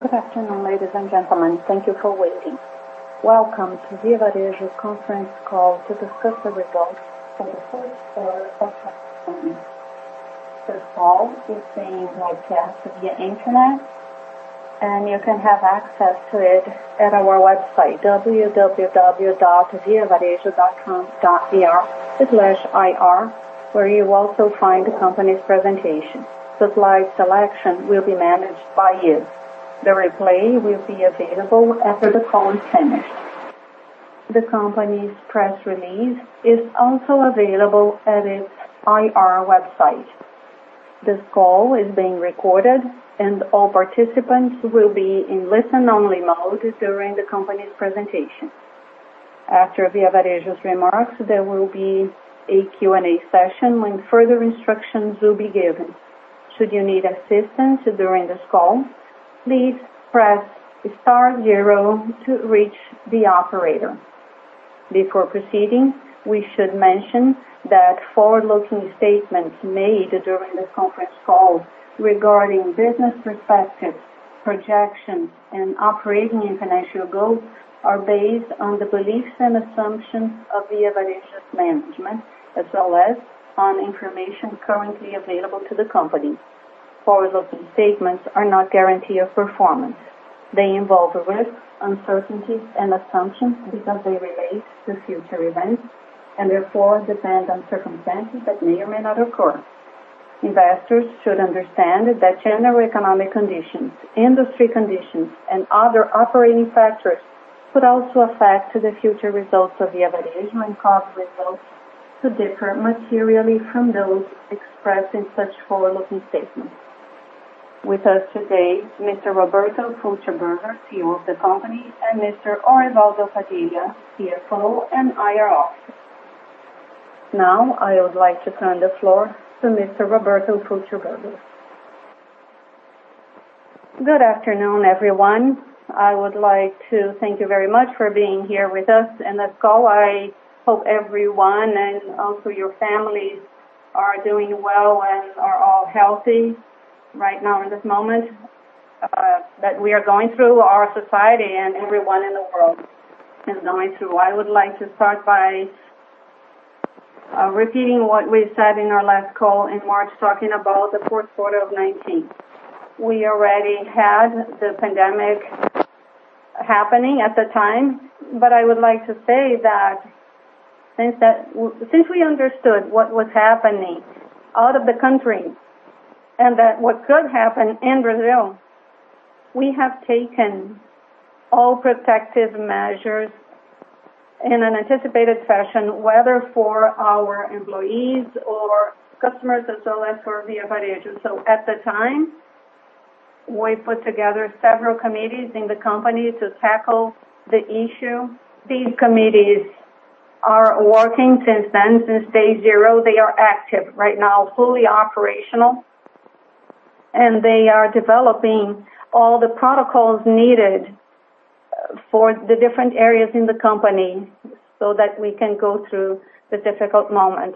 Good afternoon, ladies and gentlemen. Thank you for waiting. Welcome to Via Varejo's conference call to discuss the results for the first quarter of 2020. This call is being webcast via internet. You can have access to it at our website, www.viavarejo.com.br/ir, where you'll also find the company's presentation. The slide selection will be managed by you. The replay will be available after the call has finished. The company's press release is also available at its IR website. This call is being recorded. All participants will be in listen only mode during the company's presentation. After Via Varejo's remarks, there will be a Q&A session when further instructions will be given. Should you need assistance during this call, please press star zero to reach the operator. Before proceeding, we should mention that forward-looking statements made during this conference call regarding business prospects, projections, and operating and financial goals are based on the beliefs and assumptions of Via Varejo's management, as well as on information currently available to the company. Forward-looking statements are not guarantee of performance. They involve risk, uncertainties, and assumptions because they relate to future events, and therefore depend on circumstances that may or may not occur. Investors should understand that general economic conditions, industry conditions, and other operating factors could also affect the future results of Via Varejo and cause results to differ materially from those expressed in such forward-looking statements. With us today, Mr. Roberto Fulcherberguer, CEO of the company, and Mr. Orivaldo Padilha, CFO and IR Officer. I would like to turn the floor to Mr. Roberto Fulcherberguer. Good afternoon, everyone. I would like to thank you very much for being here with us in this call. I hope everyone, and also your families, are doing well and are all healthy right now in this moment that we are going through, our society and everyone in the world is going through. I would like to start by repeating what we said in our last call in March, talking about the fourth quarter of 2019. We already had the pandemic happening at the time. I would like to say that since we understood what was happening out of the country, and that what could happen in Brazil, we have taken all protective measures in an anticipated fashion, whether for our employees or customers, as well as for Via Varejo. At the time, we put together several committees in the company to tackle the issue. These committees are working since then, since day zero. They are active right now, fully operational, and they are developing all the protocols needed for the different areas in the company so that we can go through the difficult moment.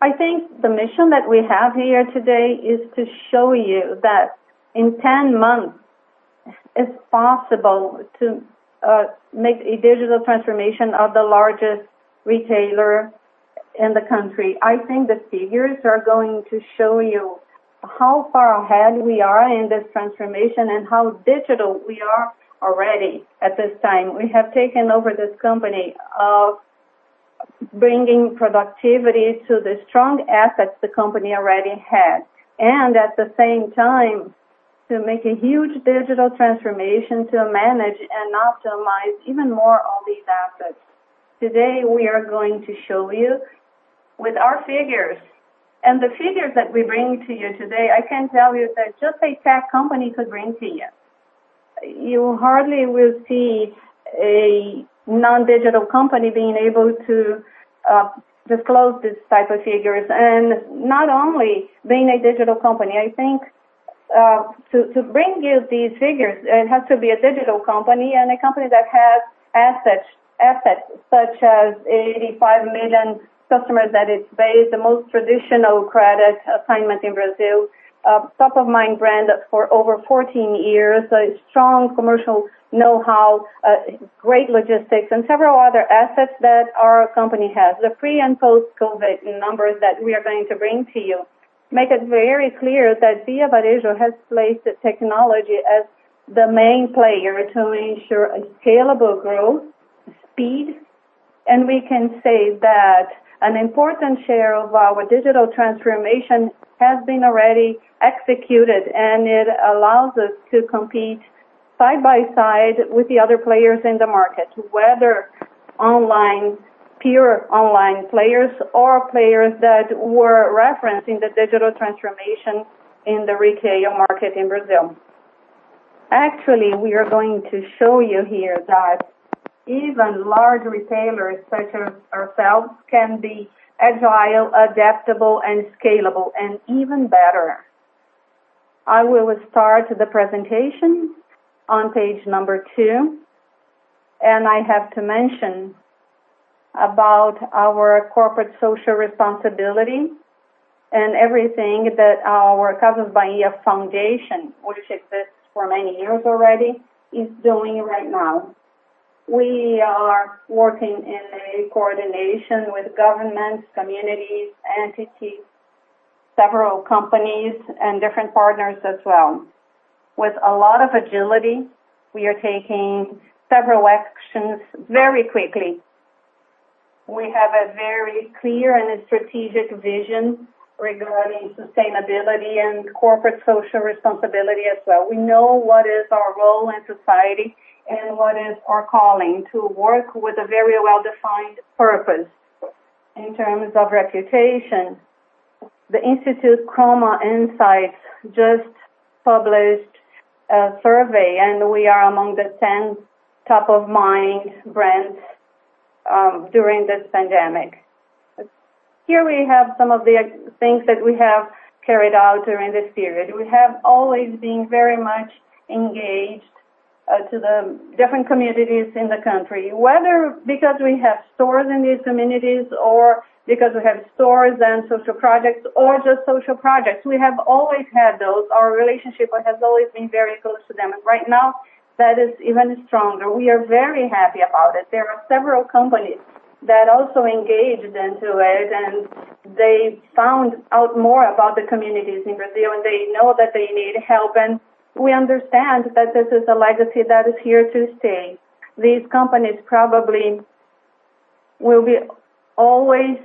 I think the mission that we have here today is to show you that in 10 months, it's possible to make a digital transformation of the largest retailer in the country. I think the figures are going to show you how far ahead we are in this transformation and how digital we are already at this time. We have taken over this company of bringing productivity to the strong assets the company already had. At the same time, to make a huge digital transformation to manage and optimize even more all these assets. Today, we are going to show you with our figures. The figures that we bring to you today, I can tell you that just a tech company could bring to you. You hardly will see a non-digital company being able to disclose this type of figures. Not only being a digital company, I think to bring you these figures, it has to be a digital company and a company that has assets such as 85 million customers that it serves, the most traditional credit assignment in Brazil, a top-of-mind brand for over 14 years, a strong commercial knowhow, great logistics, and several other assets that our company has. The pre- and post-COVID numbers that we are going to bring to you make it very clear that Via Varejo has placed technology as the main player to ensure a scalable growth, speed, and we can say that an important share of our digital transformation has been already executed, and it allows us to compete side by side with the other players in the market, whether online, pure online players or players that were referenced in the digital transformation in the retail market in Brazil. We are going to show you here that even large retailers such as ourselves can be agile, adaptable, and scalable, and even better. I will start the presentation on page number two. I have to mention about our corporate social responsibility and everything that our Casas Bahia Foundation, which exists for many years already, is doing right now. We are working in a coordination with governments, communities, entities, several companies, and different partners as well. With a lot of agility, we are taking several actions very quickly. We have a very clear and a strategic vision regarding sustainability and corporate social responsibility as well. We know what is our role in society and what is our calling, to work with a very well-defined purpose. In terms of reputation, the Instituto Croma Insights just published a survey, and we are among the 10 top-of-mind brands during this pandemic. Here we have some of the things that we have carried out during this period. We have always been very much engaged to the different communities in the country, whether because we have stores in these communities, or because we have stores and social projects, or just social projects. We have always had those. Our relationship has always been very close to them. Right now, that is even stronger. We are very happy about it. There are several companies that also engaged into it, and they found out more about the communities in Brazil, and they know that they need help. We understand that this is a legacy that is here to stay. These companies probably will always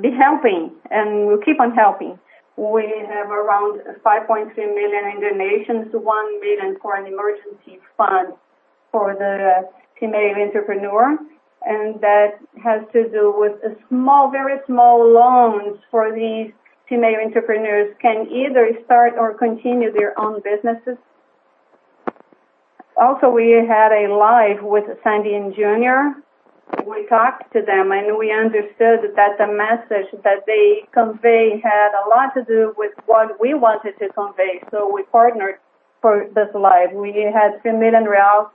be helping, and will keep on helping. We have around 5.3 million in donations, 1 million for an emergency fund for the female entrepreneur. That has to do with very small loans for these female entrepreneurs, can either start or continue their own businesses. Also, we had a live with Sandy & Junior. We talked to them, and we understood that the message that they convey had a lot to do with what we wanted to convey. We partnered for this live. We had 3 million reais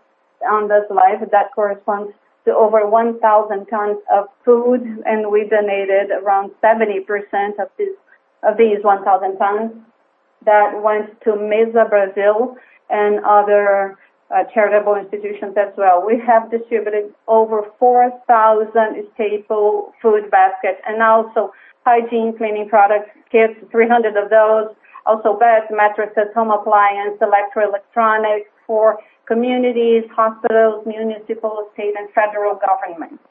on this live. That corresponds to over 1,000 tons of food. We donated around 70% of these 1,000 tons that went to Mesa Brasil and other charitable institutions as well. We have distributed over 4,000 staple food baskets and also hygiene/cleaning products kits, 300 of those. Also beds, mattresses, home appliance, electro electronics for communities, hospitals, municipal, state, and federal governments.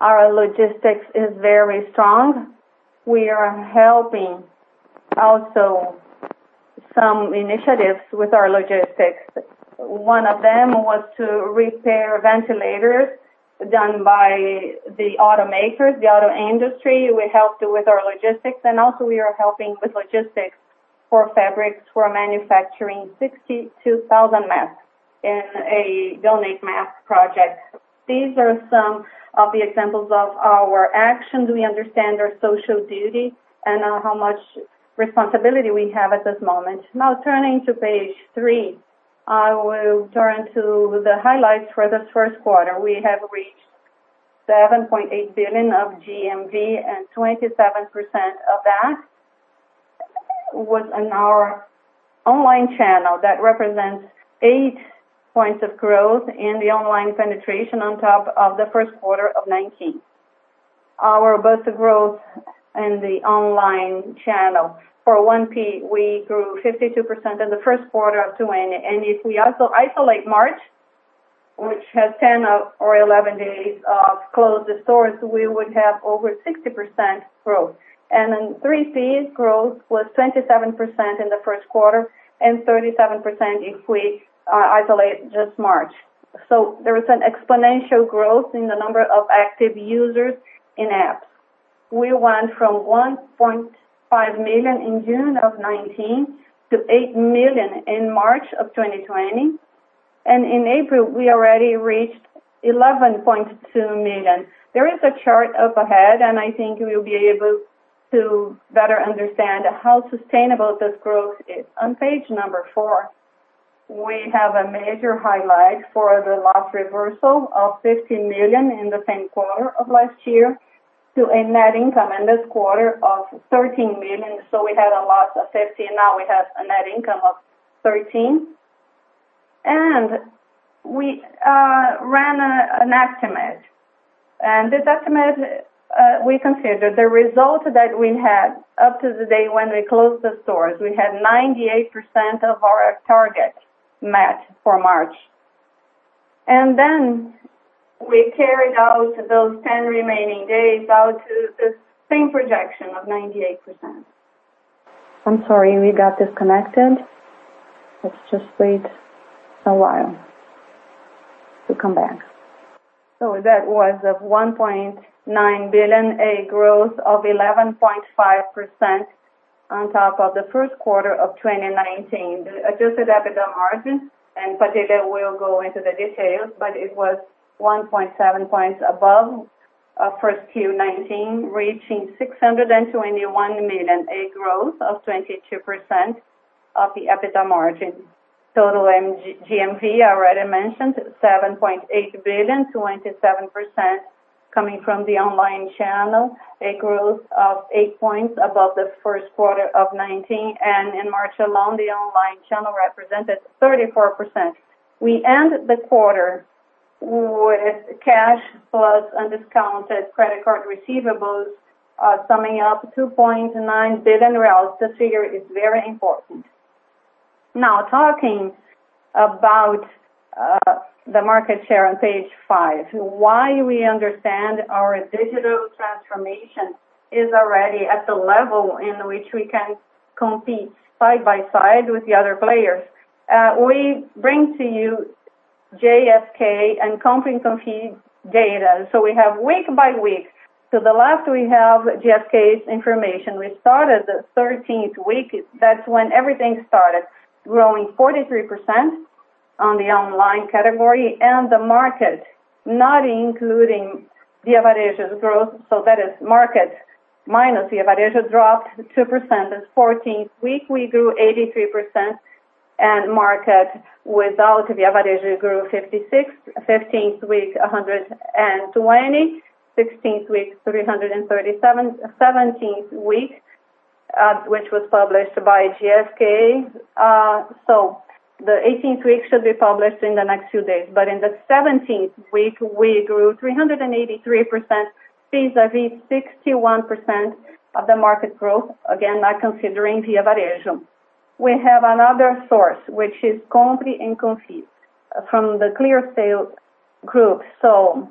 Our logistics is very strong. We are helping also some initiatives with our logistics. One of them was to repair ventilators done by the automakers, the auto industry. We helped with our logistics. Also we are helping with logistics for fabrics for manufacturing 62,000 masks in a Doe Máscaras project. These are some of the examples of our action. We understand our social duty and how much responsibility we have at this moment. Turning to page three, I will turn to the highlights for this first quarter. We have reached 7.8 billion of GMV, 27% of that was in our online channel. That represents eight points of growth in the online penetration on top of the first quarter of 2019. Our [Bossa] growth in the online channel. For 1P, we grew 52% in the first quarter of 2020. If we also isolate March, which had 10 or 11 days of closed stores, we would have over 60% growth. In 3P's growth was 27% in the first quarter, 37% if we isolate just March. There is an exponential growth in the number of active users in apps. We went from 1.5 million in June of 2019 to eight million in March of 2020. In April, we already reached 11.2 million. There is a chart up ahead. I think you'll be able to better understand how sustainable this growth is. On page four, we have a major highlight for the loss reversal of 15 million in the same quarter of last year to a net income in this quarter of 13 million. We had a loss of 15, now we have a net income of 13. We ran an estimate. This estimate we considered the result that we had up to the day when we closed the stores. We had 98% of our target met for March. We carried out those 10 remaining days out to the same projection of 98%. I'm sorry, we got disconnected. Let's just wait a while to come back. That was of 1.9 billion, a growth of 11.5% on top of the first quarter of 2019. The adjusted EBITDA margin, and Padilha will go into the details, but it was 1.7 points above first Q1 2019, reaching 621 million, a growth of 22% of the EBITDA margin. Total GMV, I already mentioned 7.8 billion, 27% coming from the online channel, a growth of eight points above the first quarter of 2019. In March alone, the online channel represented 34%. We end the quarter with cash plus undiscounted credit card receivables summing up 2.9 billion. This figure is very important. Now talking about the market share on page five, why we understand our digital transformation is already at the level in which we can compete side by side with the other players. We bring to you GfK and Compre e Confie data. We have week by week. To the last we have GfK's information. We started the 13th week. That's when everything started growing 43% on the online category and the market, not including Via Varejo's growth. That is market minus Via Varejo dropped 2%. 14th week, we grew 83% and market without Via Varejo grew 56%. 15th week, 120%. 16th week, 337%. 17th week, which was published by GfK. The 18th week should be published in the next few days. In the 17th week, we grew 383% vis-a-vis 61% of the market growth. Again, not considering Via Varejo. We have another source, which is Compre e Confie from the ClearSale group. For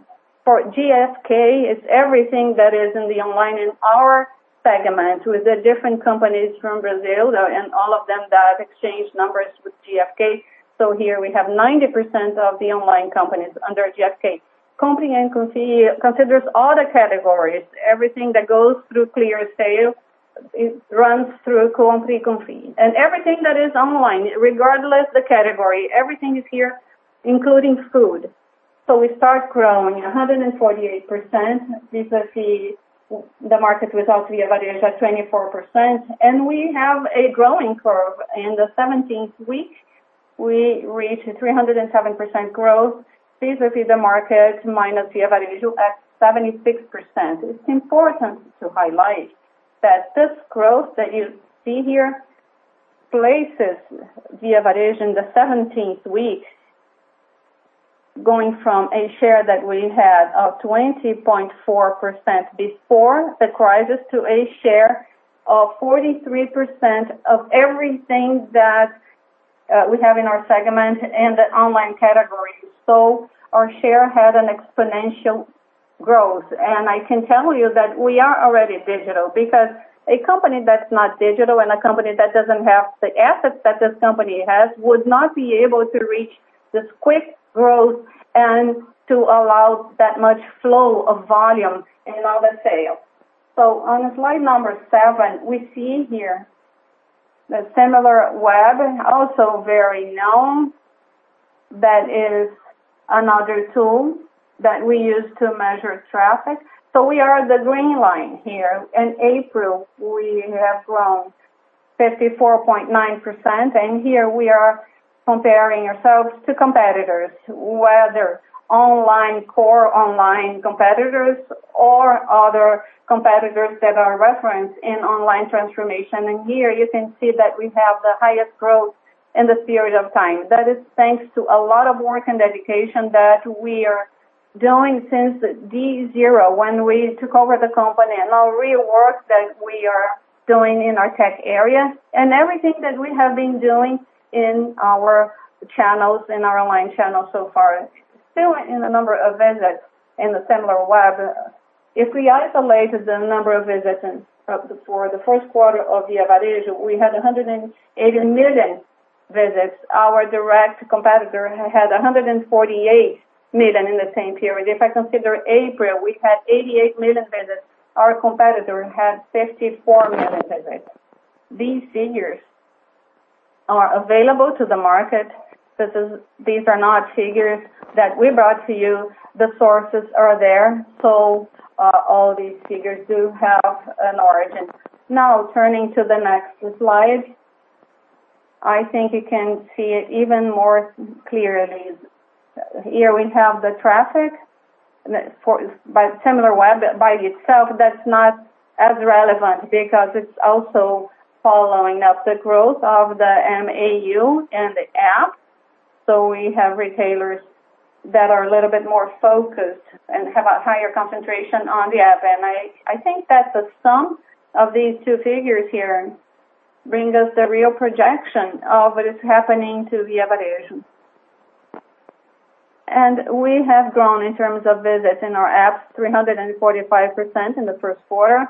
GfK, it's everything that is in the online in our segment with the different companies from Brazil and all of them that exchange numbers with GfK. Here we have 90% of the online companies under GfK. Compre e Confie considers all the categories. Everything that goes through ClearSale, it runs through Compre e Confie. Everything that is online, regardless the category, everything is here, including food. We start growing 148% vis-a-vis the market without Via Varejo at 24%. We have a growing curve. In the 17th week, we reached 307% growth vis-a-vis the market minus Via Varejo at 76%. It's important to highlight that this growth that you see here places Via Varejo in the 17th week, going from a share that we had of 20.4% before the crisis, to a share of 43% of everything that we have in our segment and the online category. Our share had an exponential growth. I can tell you that we are already digital because a company that is not digital and a company that does not have the assets that this company has would not be able to reach this quick growth and to allow that much flow of volume in all the sales. On slide number seven, we see here the Similarweb and also very known that is another tool that we use to measure traffic. We are the green line here. In April, we have grown 54.9% and here we are comparing ourselves to competitors, whether online, core online competitors or other competitors that are referenced in online transformation. Here you can see that we have the highest growth in this period of time. That is thanks to a lot of work and dedication that we are doing since D zero when we took over the company and all real work that we are doing in our tech area and everything that we have been doing in our channels, in our online channels so far. Still in the number of visits in the Similarweb, if we isolate the number of visits and for the first quarter of Via Varejo, we had 180 million visits. Our direct competitor had 148 million in the same period. If I consider April, we had 88 million visits. Our competitor had 54 million visits. These figures are available to the market. These are not figures that we brought to you. The sources are there. All these figures do have an origin. Turning to the next slide. I think you can see it even more clearly. Here we have the traffic by Similarweb. By itself, that's not as relevant because it's also following up the growth of the MAU and the app. I think that the sum of these two figures here bring us the real projection of what is happening to Via Varejo. We have grown in terms of visits in our apps, 345% in the first quarter,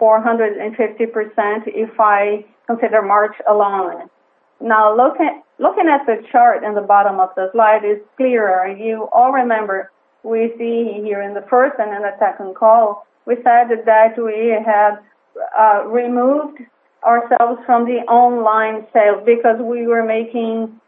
450% if I consider March alone. Looking at the chart in the bottom of the slide is clearer. You all remember we see here in the first and the second call, we said that we had removed ourselves from the online sale because we were making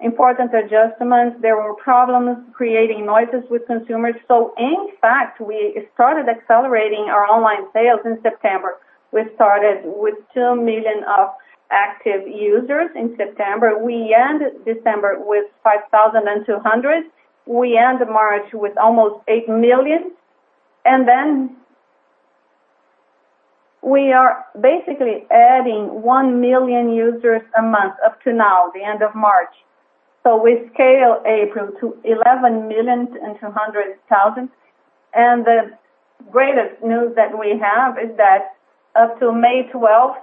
important adjustments. There were problems creating noises with consumers. In fact, we started accelerating our online sales in September. We started with 2 million of active users in September. We end December with 5,200. We end March with almost 8 million. Then we are basically adding 1 million users a month up to now, the end of March. We scale April to 11.2 million. The greatest news that we have is that up to May 12th,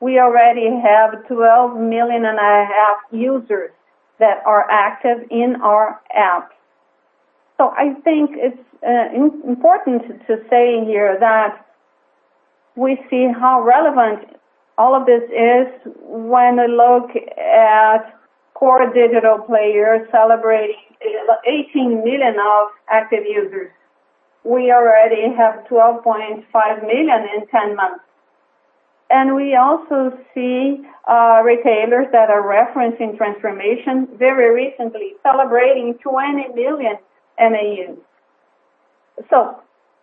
we already have 12.5 million users that are active in our app. I think it's important to say here that we see how relevant all of this is when we look at core digital players celebrating 18 million of active users. We already have 12.5 million in 10 months. We also see retailers that are referencing transformation very recently celebrating 20 million MAUs.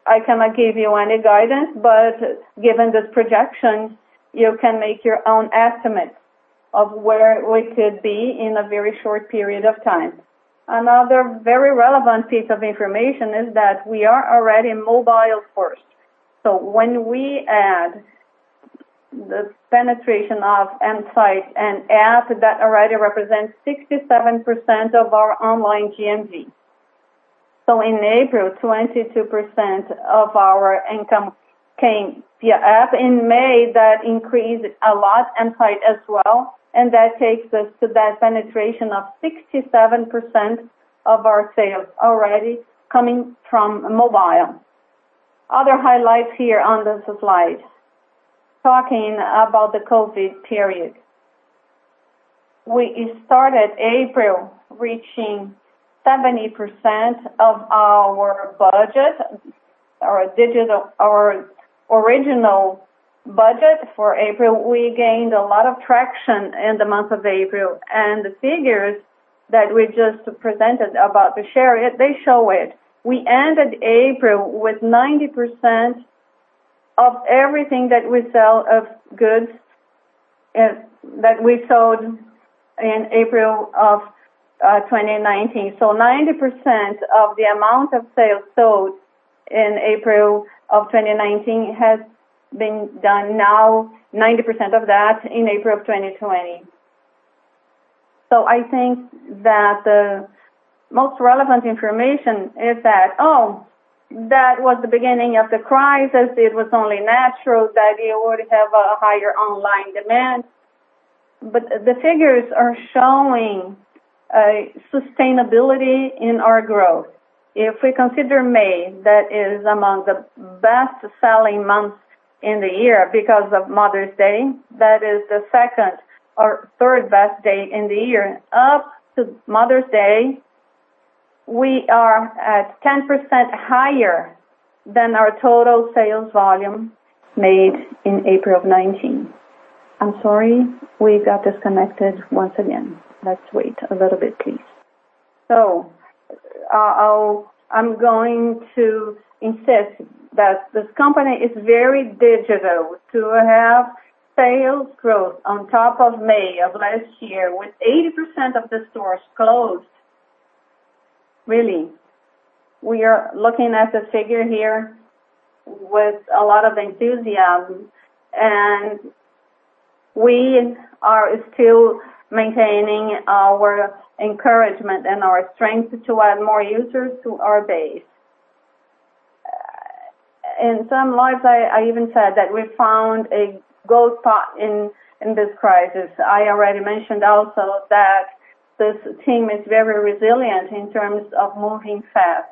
I cannot give you any guidance, but given this projection, you can make your own estimate of where we could be in a very short period of time. Another very relevant piece of information is that we are already mobile first. When we add the penetration of mSite and app that already represents 67% of our online GMV. In April, 22% of our income came via app. In May, that increased a lot and site as well, and that takes us to that penetration of 67% of our sales already coming from mobile. Other highlights here on this slide. Talking about the COVID period. We started April reaching 70% of our original budget for April. We gained a lot of traction in the month of April. The figures that we just presented about the share, they show it. We ended April with 90% of everything that we sell of goods that we sold in April of 2019. 90% of the amount of sales sold in April of 2019 has been done now, 90% of that in April of 2020. I think that the most relevant information is that that was the beginning of the crisis. It was only natural that you would have a higher online demand. The figures are showing a sustainability in our growth. If we consider May, that is among the best selling months in the year because of Mother's Day. That is the third best day in the year. Up to Mother's Day, we are at 10% higher than our total sales volume made in April of 2019. I'm sorry, we got disconnected once again. Let's wait a little bit, please. I'm going to insist that this company is very digital to have sales growth on top of May of last year with 80% of the stores closed. Really. We are looking at the figure here with a lot of enthusiasm, and we are still maintaining our encouragement and our strength to add more users to our base. In some lives, I even said that we found a gold pot in this crisis. I already mentioned also that this team is very resilient in terms of moving fast.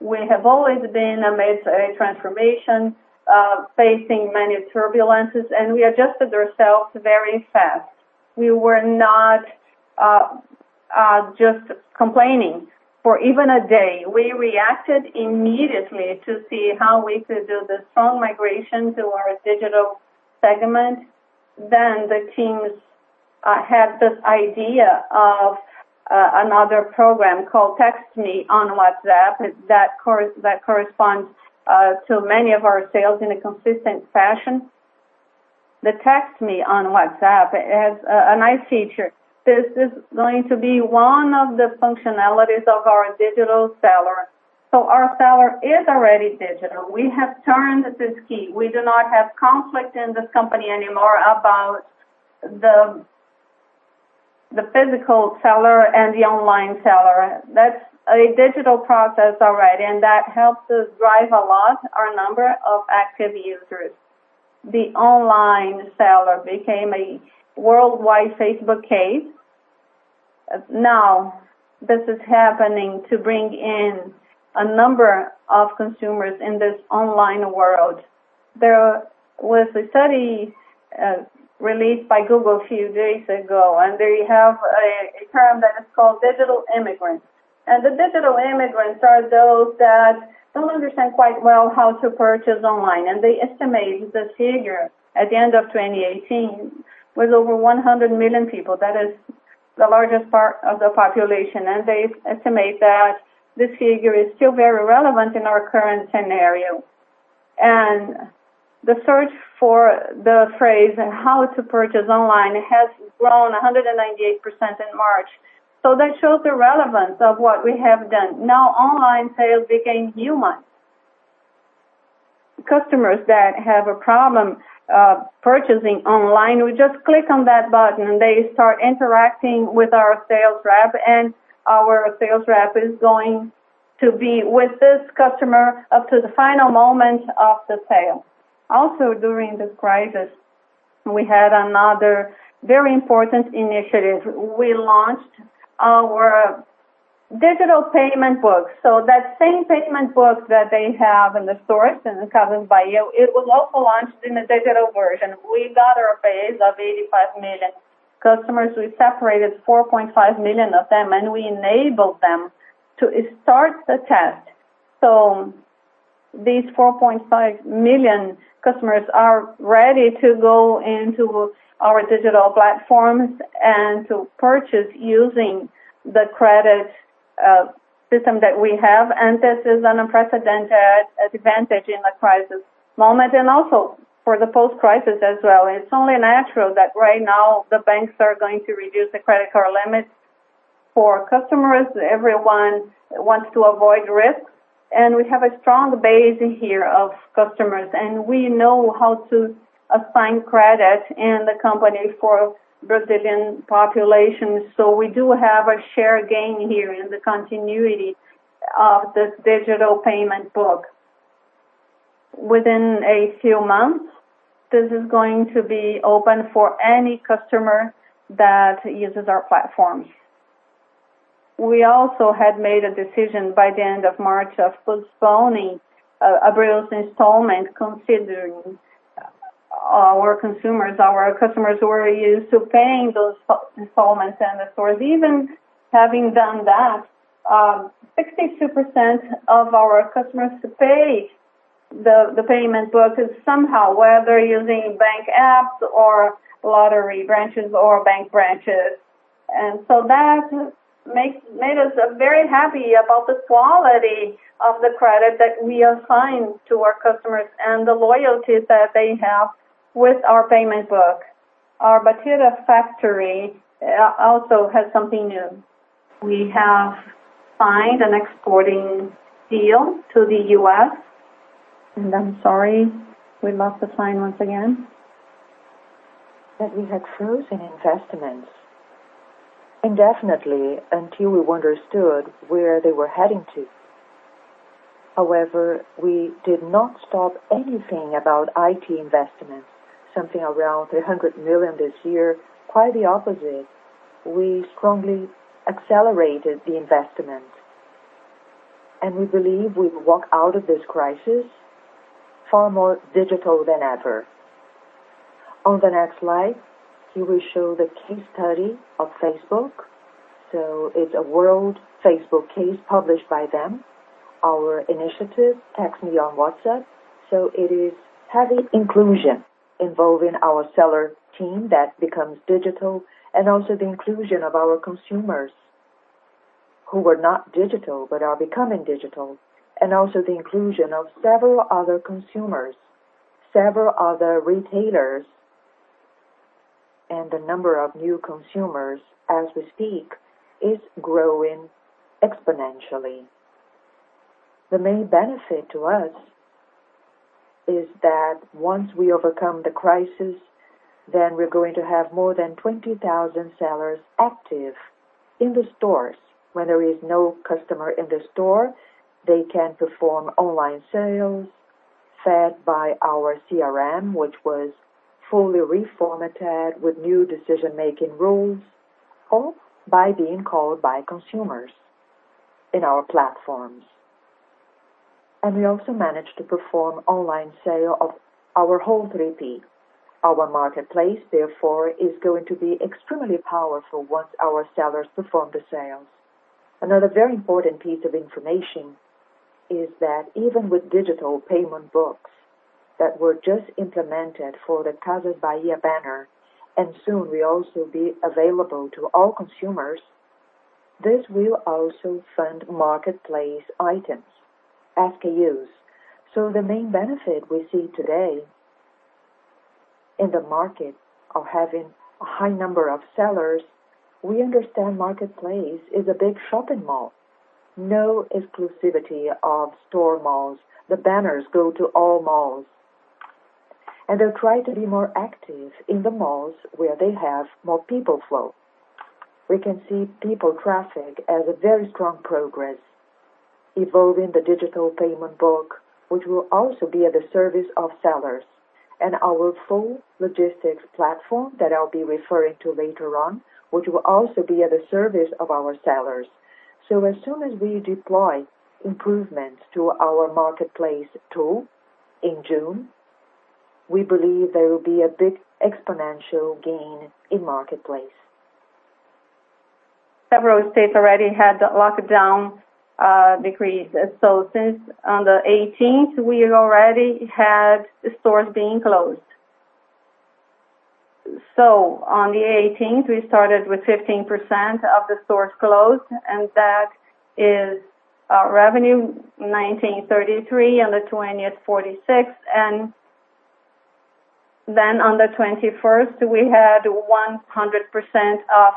We have always been amidst a transformation, facing many turbulences, and we adjusted ourselves very fast. We were not just complaining for even a day. We reacted immediately to see how we could do the strong migration to our digital segment. The teams had this idea of another program called Text Me on WhatsApp that corresponds to many of our sales in a consistent fashion. The Text Me on WhatsApp has a nice feature. This is going to be one of the functionalities of our digital seller. Our seller is already digital. We have turned this key. We do not have conflict in this company anymore about the physical seller and the online seller. That's a digital process already, and that helps us drive a lot our number of active users. The online seller became a worldwide Facebook case. Now this is happening to bring in a number of consumers in this online world. There was a study released by Google a few days ago. They have a term that is called digital immigrants. The digital immigrants are those that don't understand quite well how to purchase online. They estimate the figure at the end of 2018 was over 100 million people. That is the largest part of the population, and they estimate that this figure is still very relevant in our current scenario. The search for the phrase and how to purchase online has grown 198% in March. That shows the relevance of what we have done. Now online sales became human. Customers that have a problem purchasing online, will just click on that button, and they start interacting with our sales rep, and our sales rep is going to be with this customer up to the final moment of the sale. Also, during this crisis, we had another very important initiative. We launched our digital payment book. That same payment book that they have in the stores in Casas Bahia, it was also launched in a digital version. We got a base of 85 million customers. We separated 4.5 million of them, and we enabled them to start the test. These 4.5 million customers are ready to go into our digital platforms and to purchase using the credit system that we have. This is an unprecedented advantage in a crisis moment and also for the post-crisis as well. It's only natural that right now the banks are going to reduce the credit card limits for customers. Everyone wants to avoid risk. We have a strong base here of customers, and we know how to assign credit in the company for Brazilian populations. We do have a share gain here in the continuity of this digital payment book. Within a few months, this is going to be open for any customer that uses our platforms. We also had made a decision by the end of March of postponing a real installment considering our consumers, our customers who are used to paying those installments in the stores. Even having done that, 62% of our customers pay the payment book somehow, whether using bank apps or lottery branches or bank branches. That made us very happy about the quality of the credit that we assign to our customers and the loyalty that they have with our payment book. Our Bartira factory also has something new. We have signed an exporting deal to the U.S. I'm sorry we lost the slide once again. That we had frozen investments indefinitely until we understood where they were heading to. However, we did not stop anything about IT investments, something around 300 million this year. Quite the opposite. We strongly accelerated the investments. We believe we will walk out of this crisis far more digital than ever. On the next slide, we will show the case study of Facebook. It's a world Facebook case published by them. Our initiative, Me Chama no Zap. It is heavy inclusion involving our seller team that becomes digital, and also the inclusion of our consumers who were not digital but are becoming digital, and also the inclusion of several other consumers, several other retailers. The number of new consumers as we speak is growing exponentially. The main benefit to us is that once we overcome the crisis, we're going to have more than 20,000 sellers active in the stores. When there is no customer in the store, they can perform online sales fed by our CRM, which was fully reformatted with new decision-making rules, or by being called by consumers in our platforms. We also managed to perform online sale of our whole 3P. Our marketplace, therefore, is going to be extremely powerful once our sellers perform the sales. Another very important piece of information is that even with digital payment books that were just implemented for the Casas Bahia banner, and soon will also be available to all consumers. This will also fund marketplace items, SKUs. The main benefit we see today in the market of having a high number of sellers, we understand marketplace is a big shopping mall. No exclusivity of store malls. The banners go to all malls. They try to be more active in the malls where they have more people flow. We can see people traffic as a very strong progress involving the digital payment book, which will also be at the service of sellers. Our full logistics platform that I'll be referring to later on, which will also be at the service of our sellers. As soon as we deploy improvements to our marketplace tool in June, we believe there will be a big exponential gain in marketplace. Several states already had the lockdown decrees. Since on the 18th, we already had stores being closed. On the 18th, we started with 15% of the stores closed, and that is our revenue, BRL 19.33 on the 20th, BRL 46. On the 21st, we had 100% of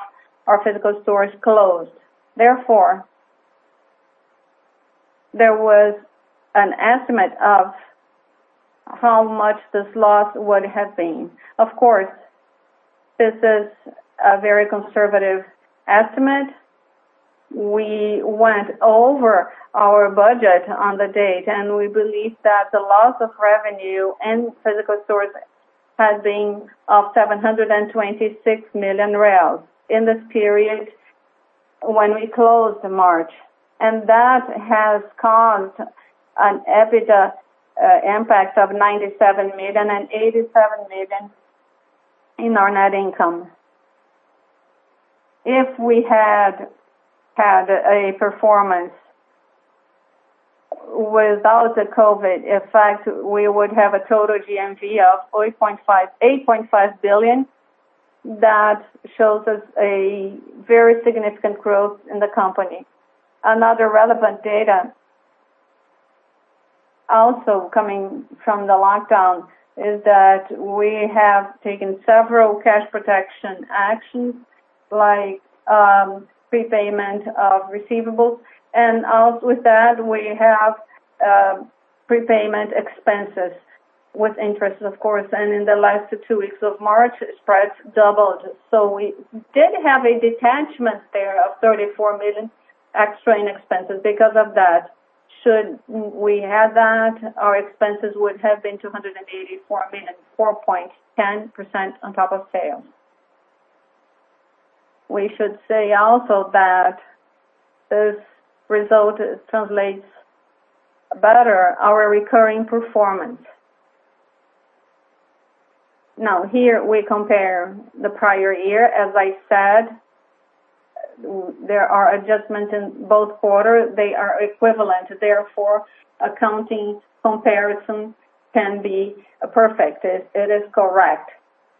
our physical stores closed. Therefore, there was an estimate of how much this loss would have been. Of course, this is a very conservative estimate. We went over our budget on the date, and we believe that the loss of revenue in physical stores has been of 726 million in this period when we closed in March. That has caused an EBITDA impact of 97 million and 87 million in our net income. If we had had a performance without the COVID effect, we would have a total GMV of 8.5 billion. That shows us a very significant growth in the company. Another relevant data also coming from the lockdown is that we have taken several cash protection actions like prepayment of receivables. Also with that, we have prepayment expenses with interest, of course. In the last two weeks of March, spreads doubled. We did have a detachment there of 34 million extra in expenses because of that. Should we have that, our expenses would have been 284 million, 4.10% on top of sales. We should say also that this result translates better our recurring performance. Here we compare the prior year. As I said, there are adjustments in both quarters. They are equivalent, therefore, accounting comparison can be perfect. It is correct.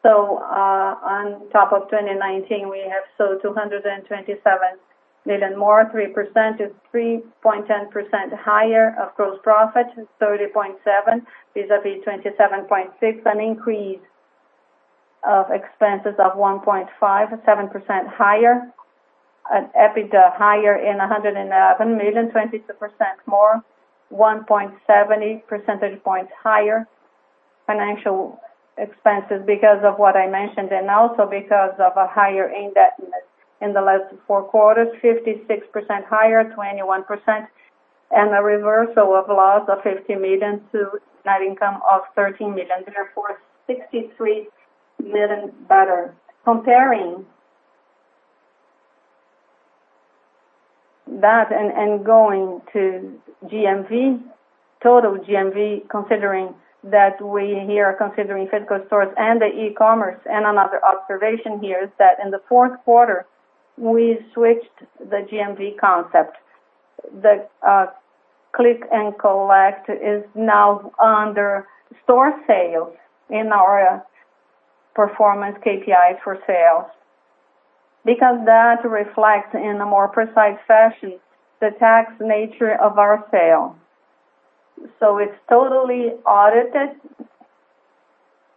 On top of 2019, we have sold 227 million more, 3%-3.10% higher of gross profit, 30.7% vis-a-vis 27.6%, an increase of expenses of 1.57% higher, an EBITDA higher in 107 million, 22% more, 1.70 percentage points higher. Financial expenses because of what I mentioned, and also because of a higher indebtedness in the last four quarters, 56% higher, 21%, and a reversal of loss of 50 million to net income of 13 million, therefore 63 million better. Comparing that and going to GMV, total GMV, considering that we here are considering physical stores and the e-commerce. Another observation here is that in the fourth quarter, we switched the GMV concept. The click and collect is now under store sales in our performance KPI for sales. Because that reflects in a more precise fashion the tax nature of our sale. It's totally audited,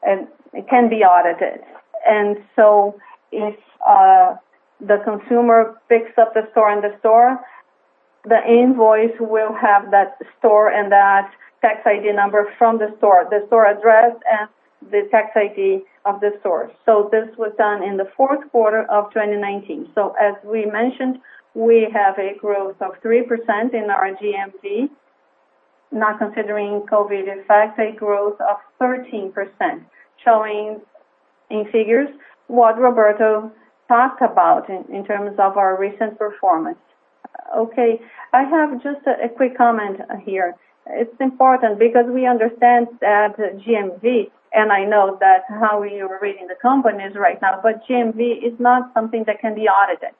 and it can be audited. If the consumer picks up the store in the store, the invoice will have that store and that tax ID number from the store, the store address, and the tax ID of the store. This was done in the fourth quarter of 2019. As we mentioned, we have a growth of 3% in our GMV, not considering COVID effect, a growth of 13%, showing in figures what Roberto talked about in terms of our recent performance. Okay, I have just a quick comment here. It's important because we understand that GMV, and I know that how you're reading the companies right now, but GMV is not something that can be audited.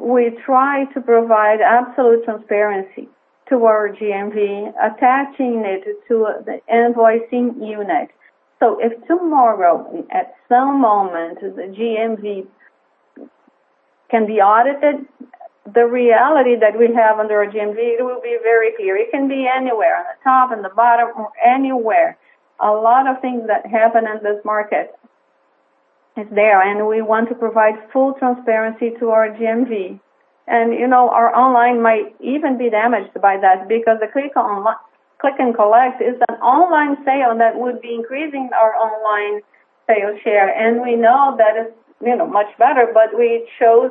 We try to provide absolute transparency to our GMV, attaching it to the invoicing unit. If tomorrow, at some moment, the GMV can be audited, the reality that we have under our GMV, it will be very clear. It can be anywhere, on the top, in the bottom, or anywhere. A lot of things that happen in this market is there, and we want to provide full transparency to our GMV. Our online might even be damaged by that because the click and collect is an online sale that would be increasing our online sale share. We know that it's much better, but we chose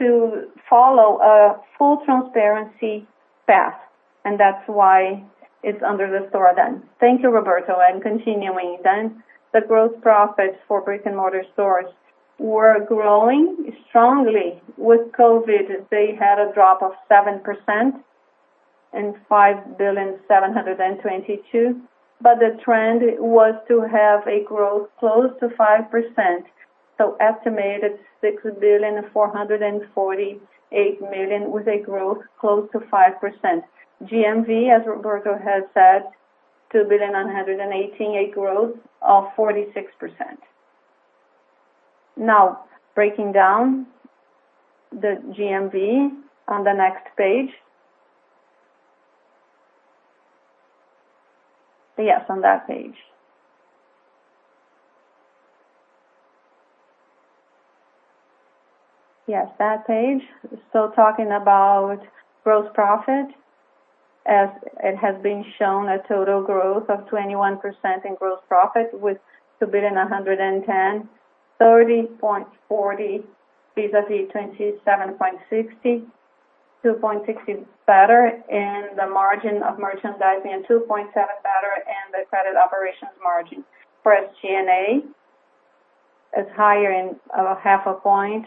to follow a full transparency path. That's why it's under the store then. Thank you, Roberto. Continuing then, the gross profits for brick-and-mortar stores were growing strongly. With COVID, they had a drop of 7% and 5,722,000,000. The trend was to have a growth close to 5%. Estimated 6,448,000 with a growth close to 5%. GMV, as Roberto has said, 2,180,000,000, a growth of 46%. Breaking down the GMV on the next page. On that page. That page. Talking about gross profit, as it has been shown, a total growth of 21% in gross profit with 2,110,000. 30.40% vis-à-vis 27.60%. 2.60% better in the margin of merchandising and 2.7% better in the credit operations margin. For SG&A, it's higher in half a point,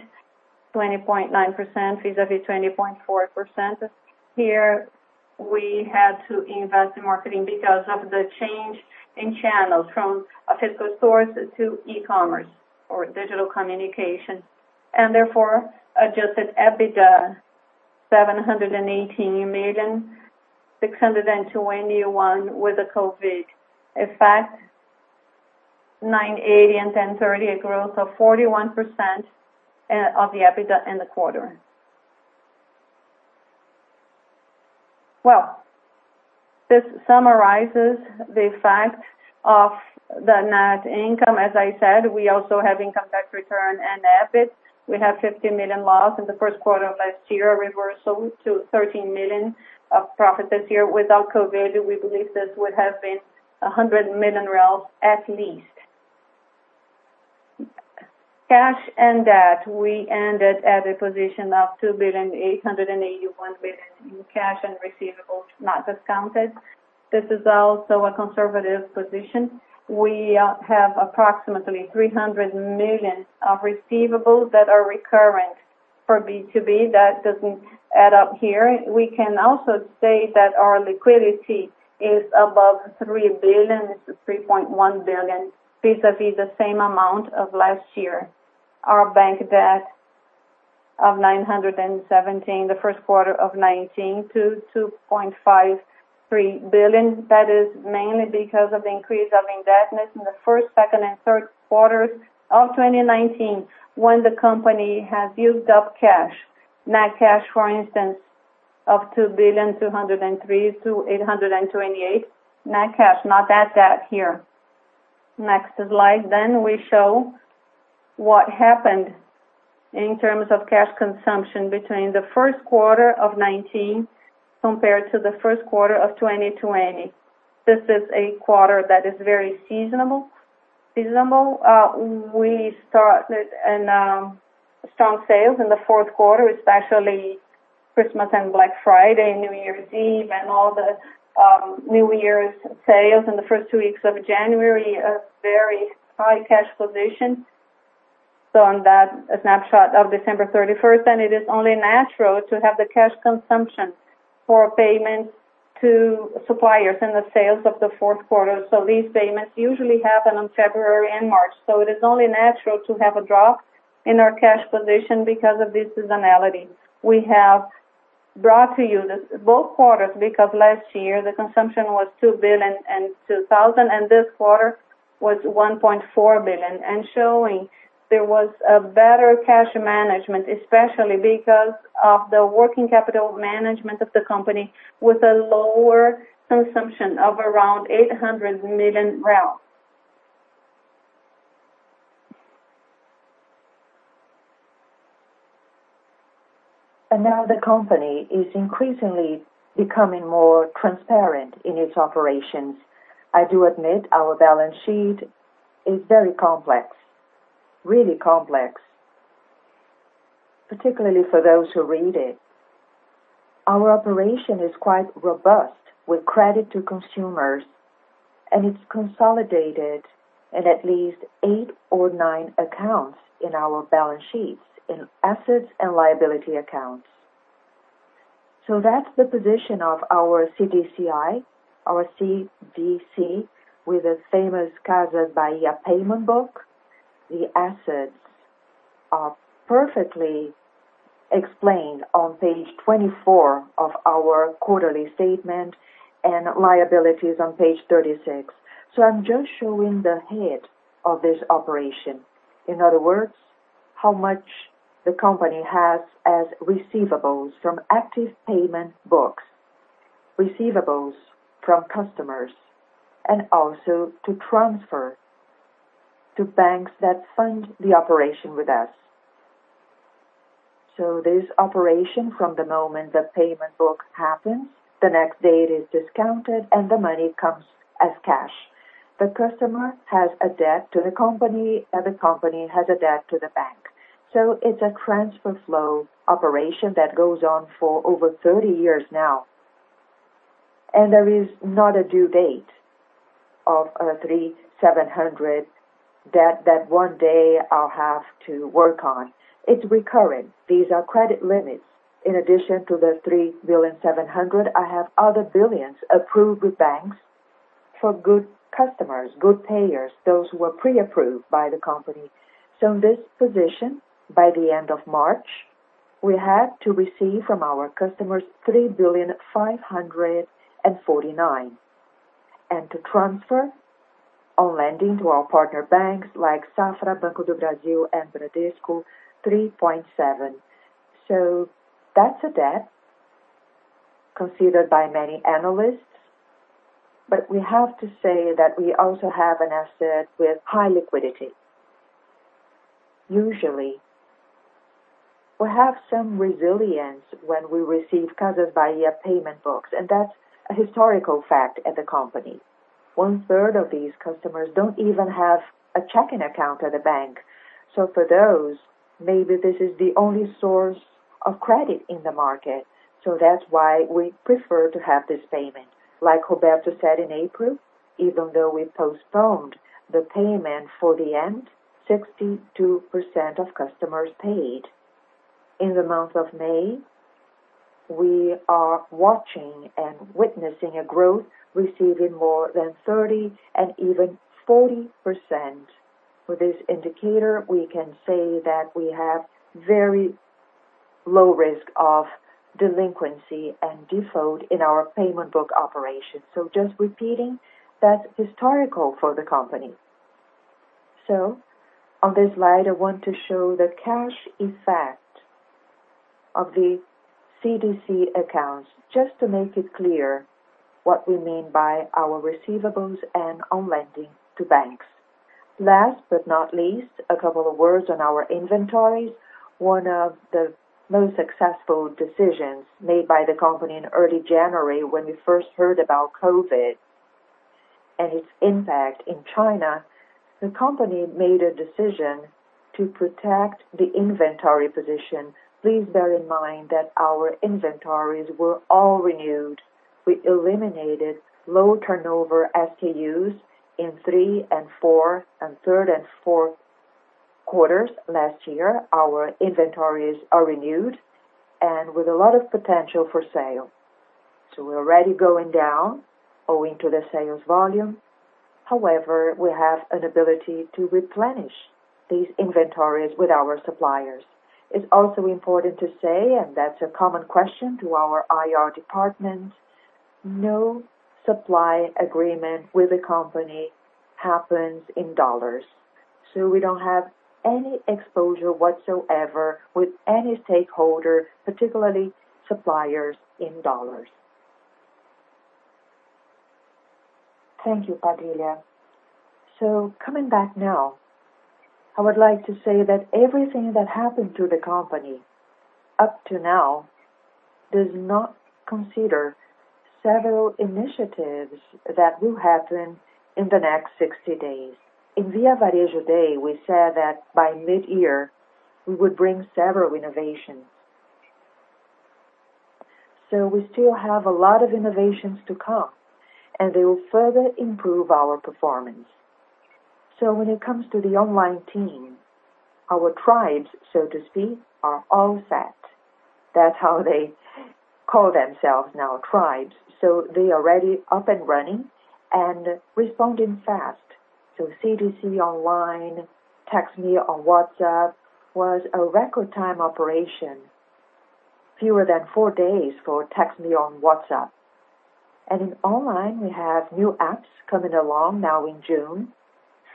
20.9% vis-à-vis 20.4%. Here, we had to invest in marketing because of the change in channels from physical stores to e-commerce or digital communication. Therefore, adjusted EBITDA, 718 million, 621 million with the COVID effect, 980 million and 1,030 million, a growth of 41% of the EBITDA in the quarter. This summarizes the fact of the net income. As I said, we also have income tax return and EBIT. We have 50 million loss in the first quarter of last year, reversal to 13 million of profit this year. Without COVID, we believe this would have been 100 million reais at least. Cash and debt, we ended at a position of 2,881,000 in cash and receivables not discounted. This is also a conservative position. We have approximately 300 million of receivables that are recurrent for B2B. That doesn't add up here. We can also say that our liquidity is above 3 billion-3.1 billion, vis-a-vis the same amount of last year. Our bank debt of 917, the first quarter of 2019 to 2.53 billion. That is mainly because of the increase of indebtedness in the first, second, and third quarters of 2019, when the company has used up cash. Net cash, for instance, of 2 billion, 203-828. Net cash, not net debt here. Next slide. We show what happened in terms of cash consumption between the first quarter of 2019 compared to the first quarter of 2020. This is a quarter that is very seasonal. We started in strong sales in the fourth quarter, especially Christmas and Black Friday and New Year's Eve and all the New Year's sales in the first two weeks of January, a very high cash position. On that snapshot of December 31st, and it is only natural to have the cash consumption for payment to suppliers and the sales of the fourth quarter. These payments usually happen on February and March. It is only natural to have a drop in our cash position because of this seasonality. We have brought to you both quarters because last year the consumption was 2 billion and 2,000, and this quarter was 1.4 billion. Showing there was a better cash management, especially because of the working capital management of the company with a lower consumption of around BRL 800 million. Now the company is increasingly becoming more transparent in its operations. I do admit our balance sheet is very complex, really complex, particularly for those who read it. Our operation is quite robust with credit to consumers, and it's consolidated in at least eight or nine accounts in our balance sheets, in assets and liability accounts. That's the position of our CDCI, our CDC, with the famous Casas Bahia payment book. The assets are perfectly explained on page 24 of our quarterly statement, and liabilities on page 36. I'm just showing the head of this operation. In other words, how much the company has as receivables from active payment books, receivables from customers, and also to transfer to banks that fund the operation with us. This operation from the moment the payment book happens, the next day it is discounted, and the money comes as cash. The customer has a debt to the company, and the company has a debt to the bank. It's a transfer flow operation that goes on for over 30 years now, and there is not a due date of 3,700 that one day I'll have to work on. It's recurring. These are credit limits. In addition to the 3.7 billion, I have other billions approved with banks for good customers, good payers, those who are pre-approved by the company. In this position, by the end of March, we had to receive from our customers 3.549 billion and to transfer our lending to our partner banks like Safra, Banco do Brasil, and Bradesco, 3.7. That's a debt considered by many analysts. We have to say that we also have an asset with high liquidity. Usually, we have some resilience when we receive Casas Bahia payment books, and that's a historical fact at the company. One-third of these customers don't even have a checking account at a bank. For those, maybe this is the only source of credit in the market. That's why we prefer to have this payment. Like Roberto said in April, even though we postponed the payment for the end, 62% of customers paid. In the month of May, we are watching and witnessing a growth, receiving more than 30% and even 40%. With this indicator, we can say that we have very low risk of delinquency and default in our payment book operations. Just repeating, that's historical for the company. On this slide, I want to show the cash effect of the CDC accounts, just to make it clear what we mean by our receivables and on lending to banks. Last but not least, a couple of words on our inventories. One of the most successful decisions made by the company in early January, when we first heard about COVID and its impact in China. The company made a decision to protect the inventory position. Please bear in mind that our inventories were all renewed. We eliminated low turnover SKUs in three and four and third and fourth quarters last year. Our inventories are renewed and with a lot of potential for sale. We're already going down owing to the sales volume. However, we have an ability to replenish these inventories with our suppliers. It's also important to say, and that's a common question to our IR department, no supply agreement with the company happens in dollars. We don't have any exposure whatsoever with any stakeholder, particularly suppliers in dollars. Thank you, Padilha. Coming back now, I would like to say that everything that happened to the company up to now does not consider several initiatives that will happen in the next 60 days. In Via Varejo Day, we said that by mid-year, we would bring several innovations. We still have a lot of innovations to come, and they will further improve our performance. When it comes to the online team, our tribes, so to speak, are all set. That's how they call themselves now, tribes. They are already up and running and responding fast. CDC online, text me on WhatsApp, was a record time operation, fewer than four days for text me on WhatsApp. In online, we have new apps coming along now in June,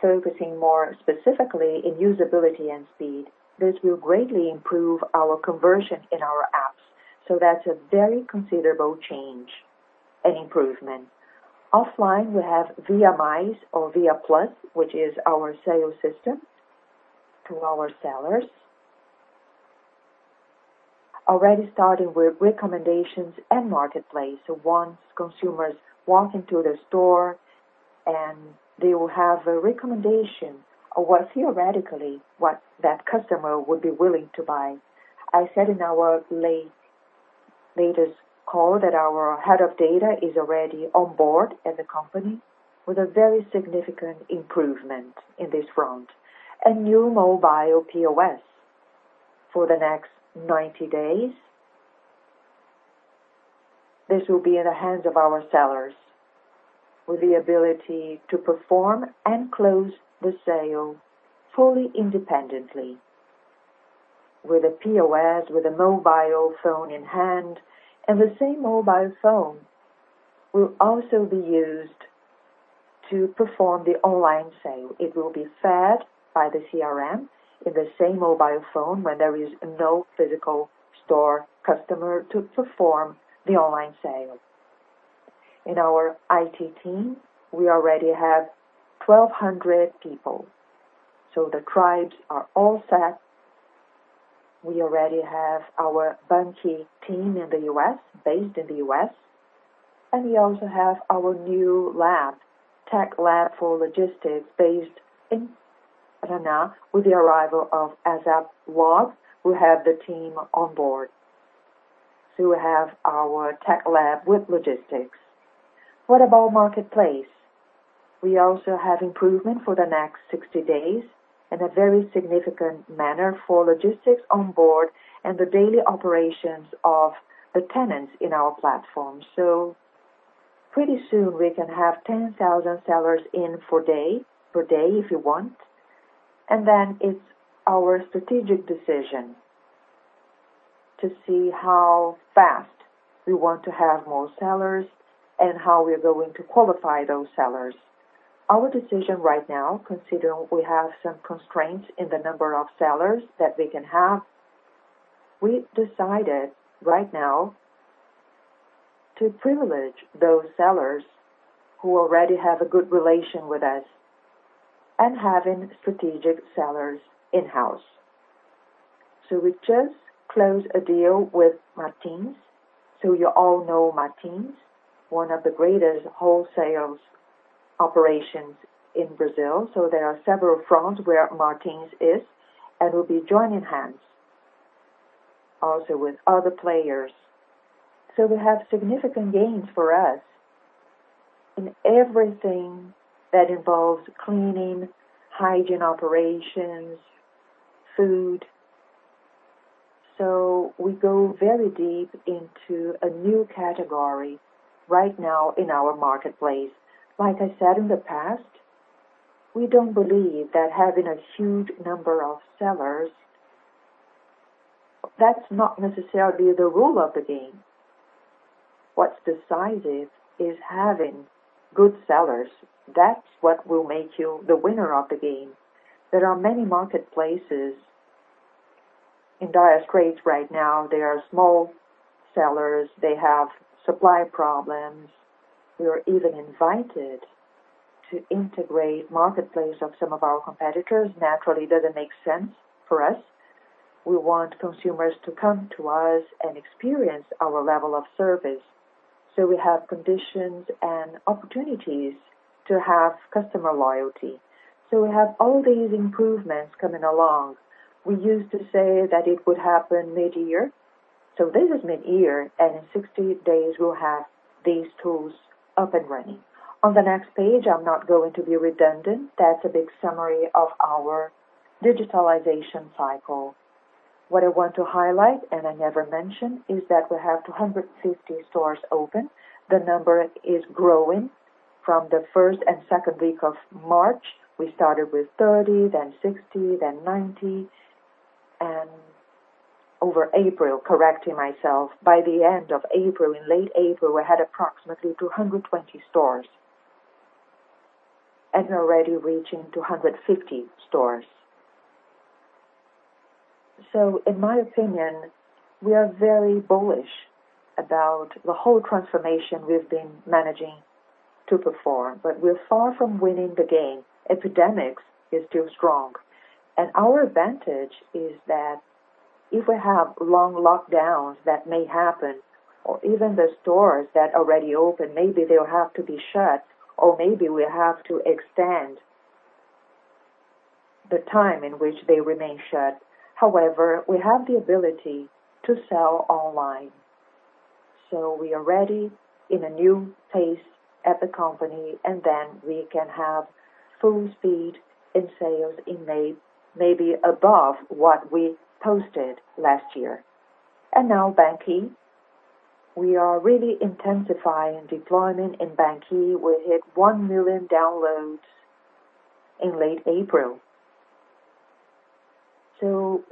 focusing more specifically in usability and speed. This will greatly improve our conversion in our apps. That's a very considerable change and improvement. Offline, we have ViaMais or Via+, which is our sales system to our sellers. Already started with recommendations and marketplace. Once consumers walk into the store and they will have a recommendation of what theoretically what that customer would be willing to buy. I said in our latest call that our head of data is already on board at the company with a very significant improvement in this front. A new mobile POS for the next 90 days. This will be in the hands of our sellers with the ability to perform and close the sale fully independently. With a POS, with a mobile phone in hand, and the same mobile phone will also be used to perform the online sale. It will be fed by the CRM in the same mobile phone when there is no physical store customer to perform the online sale. In our IT team, we already have 1,200 people. The tribes are all set. We already have our banQi team based in the U.S., and we also have our new tech lab for logistics based in Renata. With the arrival of ASAP Log, we have the team on board. We have our tech lab with logistics. What about marketplace? We also have improvement for the next 60 days in a very significant manner for logistics on board and the daily operations of the tenants in our platform. Pretty soon we can have 10,000 sellers in per day, if you want. It's our strategic decision to see how fast we want to have more sellers and how we are going to qualify those sellers. Our decision right now, considering we have some constraints in the number of sellers that we can have, we decided right now to privilege those sellers who already have a good relation with us and having strategic sellers in-house. We just closed a deal with Martins. You all know Martins, one of the greatest wholesale operations in Brazil. There are several fronts where Martins is and will be joining hands also with other players. We have significant gains for us in everything that involves cleaning, hygiene operations, food. We go very deep into a new category right now in our marketplace. Like I said, in the past, we don't believe that having a huge number of sellers, that's not necessarily the rule of the game. What's decisive is having good sellers. That's what will make you the winner of the game. There are many marketplaces in dire straits right now. There are small sellers. They have supply problems. We are even invited to integrate marketplace of some of our competitors. Naturally, it doesn't make sense for us. We want consumers to come to us and experience our level of service. We have conditions and opportunities to have customer loyalty. We have all these improvements coming along. We used to say that it would happen mid-year. This is mid-year, and in 60 days, we'll have these tools up and running. On the next page, I'm not going to be redundant. That's a big summary of our digitalization cycle. What I want to highlight, and I never mention, is that we have 250 stores open. The number is growing from the first and second week of March. We started with 30, then 60, then 90, and over April, correcting myself, by the end of April, in late April, we had approximately 220 stores, and already reaching 250 stores. In my opinion, we are very bullish about the whole transformation we've been managing to perform. We're far from winning the game. Epidemic is still strong. Our advantage is that if we have long lockdowns that may happen, or even the stores that already open, maybe they'll have to be shut, or maybe we have to extend the time in which they remain shut. However, we have the ability to sell online. We are ready in a new pace at the company, and then we can have full speed in sales in May, maybe above what we posted last year. Now banQi. We are really intensifying deployment in banQi. We hit 1 million downloads in late April.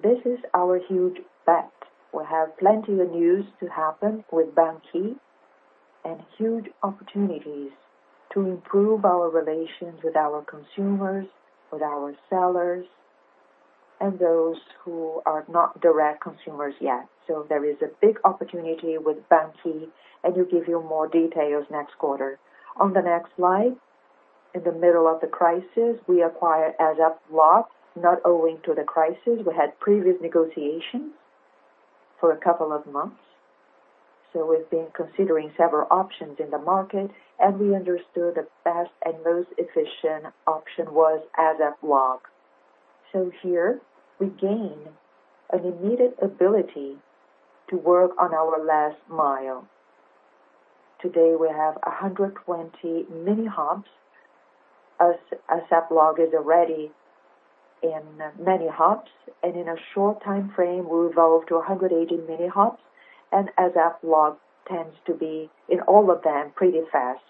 This is our huge bet. We have plenty of news to happen with banQi and huge opportunities to improve our relations with our consumers, with our sellers, and those who are not direct consumers yet. There is a big opportunity with banQi, and we'll give you more details next quarter. On the next slide, in the middle of the crisis, we acquired ASAP Log, not owing to the crisis. We had previous negotiations for a couple of months. We've been considering several options in the market, and we understood the best and most efficient option was ASAP Log. Here we gain an immediate ability to work on our last mile. Today, we have 120 mini hubs. ASAP Log is already in many hubs, and in a short time frame, we'll evolve to 180 mini hubs, and ASAP Log tends to be in all of them pretty fast.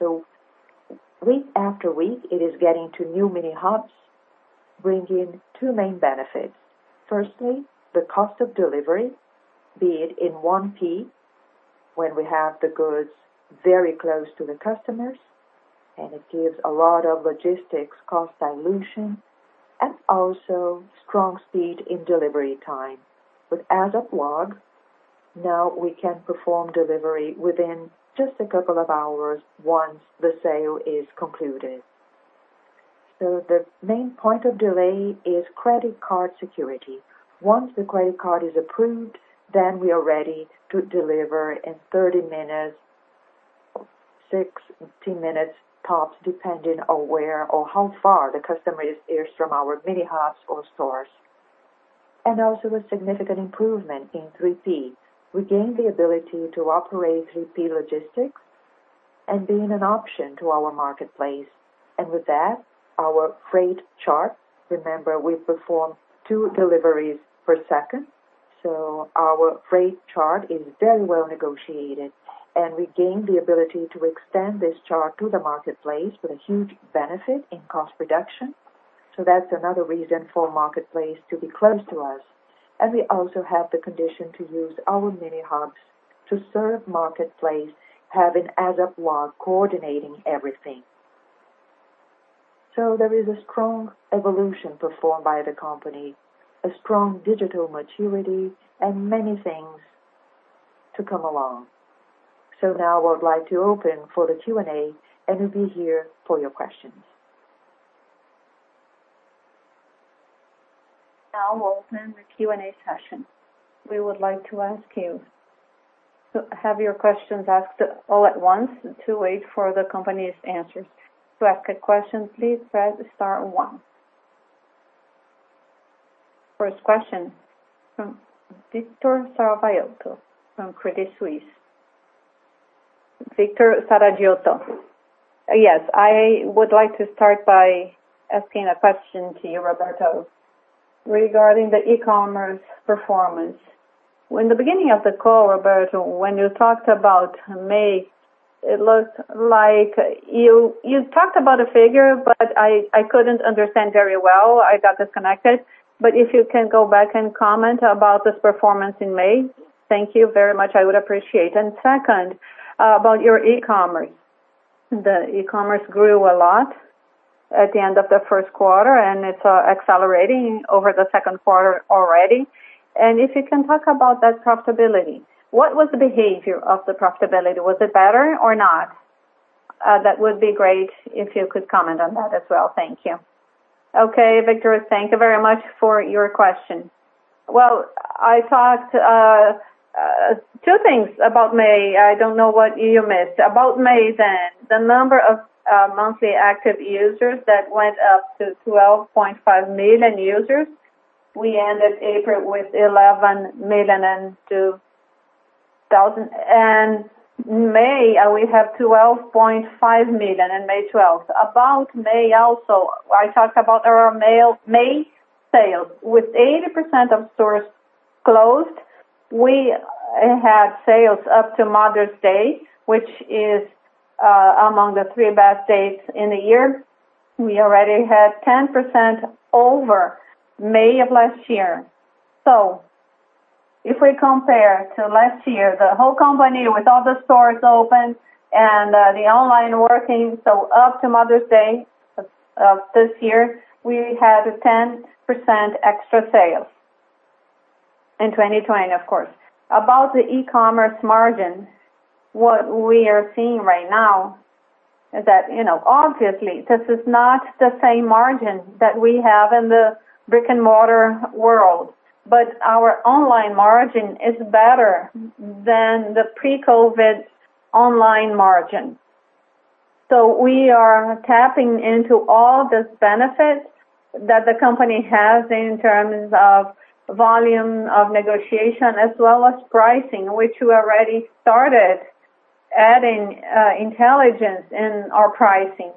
Week after week, it is getting to new mini hubs, bringing two main benefits. Firstly, the cost of delivery, be it in 1P when we have the goods very close to the customers, and it gives a lot of logistics cost dilution, and also strong speed in delivery time. With ASAP Log, now we can perform delivery within just a couple of hours once the sale is concluded. The main point of delay is credit card security. Once the credit card is approved, then we are ready to deliver in 30 minutes, 16 minutes tops, depending on where or how far the customer is from our mini hubs or stores. Also a significant improvement in 3P. We gained the ability to operate 3P logistics and being an option to our marketplace. With that, our freight chart. Remember, we perform two deliveries per second, so our freight chart is very well negotiated, and we gained the ability to extend this chart to the marketplace with a huge benefit in cost reduction. That's another reason for marketplace to be close to us. We also have the condition to use our mini hubs to serve marketplace, having ASAP Log coordinating everything. There is a strong evolution performed by the company, a strong digital maturity, and many things to come along. Now I would like to open for the Q&A, and we'll be here for your questions. Now we'll open the Q&A session. We would like to ask you to have your questions asked all at once, and to wait for the company's answers. To ask a question, please press star 1. First question from Victor Saragiotto from Credit Suisse. Victor Saragiotto. Yes. I would like to start by asking a question to you, Roberto, regarding the e-commerce performance. In the beginning of the call, Roberto, when you talked about May, you talked about a figure, but I couldn't understand very well. I got disconnected. If you can go back and comment about this performance in May, thank you very much. I would appreciate. Second, about your e-commerce. The e-commerce grew a lot at the end of the first quarter, and it's accelerating over the second quarter already. If you can talk about that profitability. What was the behavior of the profitability? Was it better or not? That would be great if you could comment on that as well. Thank you. Okay, Victor. Thank you very much for your question. Well, I talked two things about May. I don't know what you missed. About May, the number of monthly active users that went up to 12.5 million users. We ended April with 11,002,000. May, we have 12.5 million in May 12th. About May also, I talked about our May sales. With 80% of stores closed, we had sales up to Mother's Day, which is among the three best days in the year. We already had 10% over May of last year. If we compare to last year, the whole company with all the stores open and the online working, up to Mother's Day of this year, we had a 10% extra sale in 2020, of course. About the e-commerce margin, what we are seeing right now is that obviously, this is not the same margin that we have in the brick-and-mortar world. Our online margin is better than the pre-COVID online margin. We are tapping into all these benefits that the company has in terms of volume of negotiation as well as pricing, which we already started adding intelligence in our pricing.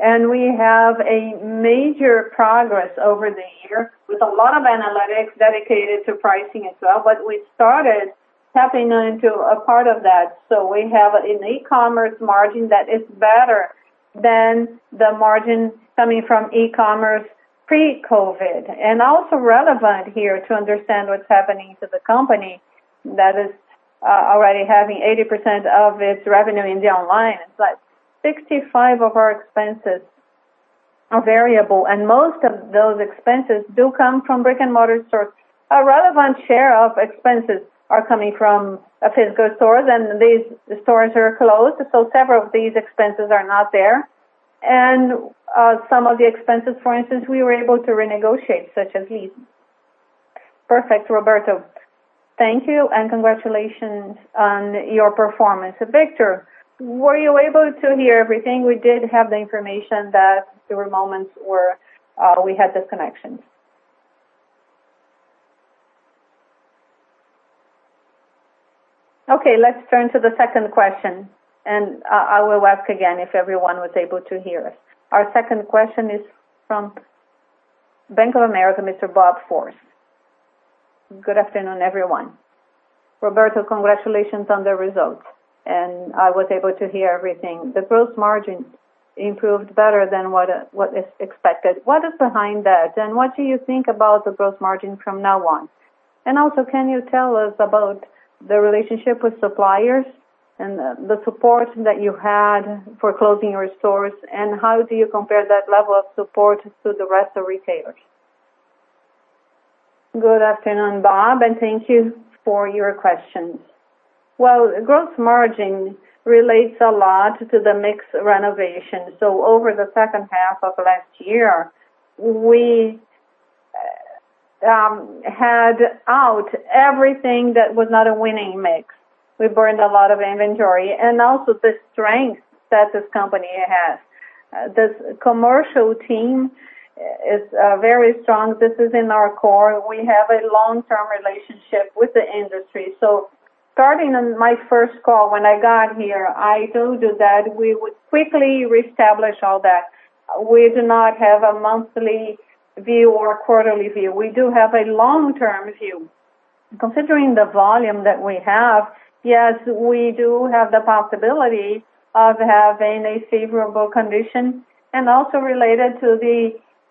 We have a major progress over the year with a lot of analytics dedicated to pricing as well. We started tapping into a part of that. We have an e-commerce margin that is better than the margin coming from e-commerce pre-COVID. Also relevant here to understand what's happening to the company that is already having 80% of its revenue in the online. 65% of our expenses are variable, and most of those expenses do come from brick-and-mortar stores. A relevant share of expenses are coming from physical stores, and these stores are closed, so several of these expenses are not there. Some of the expenses, for instance, we were able to renegotiate, such as lease. Perfect, Roberto. Thank you, and congratulations on your performance. Victor, were you able to hear everything? We did have the information that there were moments where we had disconnections. Okay, let's turn to the second question. I will ask again if everyone was able to hear us. Our second question is from Bank of America, Mr. Bob Forrest. Good afternoon, everyone. Roberto, congratulations on the results. I was able to hear everything. The gross margin improved better than what is expected. What is behind that? What do you think about the gross margin from now on? Also, can you tell us about the relationship with suppliers and the support that you had for closing your stores, and how do you compare that level of support to the rest of retailers? Good afternoon, Bob. Thank you for your questions. Well, gross margin relates a lot to the mix renovation. Over the second half of last year, we had out everything that was not a winning mix. We burned a lot of inventory and also the strength that this company has. This commercial team is very strong. This is in our core. We have a long-term relationship with the industry. Starting on my first call when I got here, I told you that we would quickly reestablish all that. We do not have a monthly view or a quarterly view. We do have a long-term view. Considering the volume that we have, yes, we do have the possibility of having a favorable condition and also related to the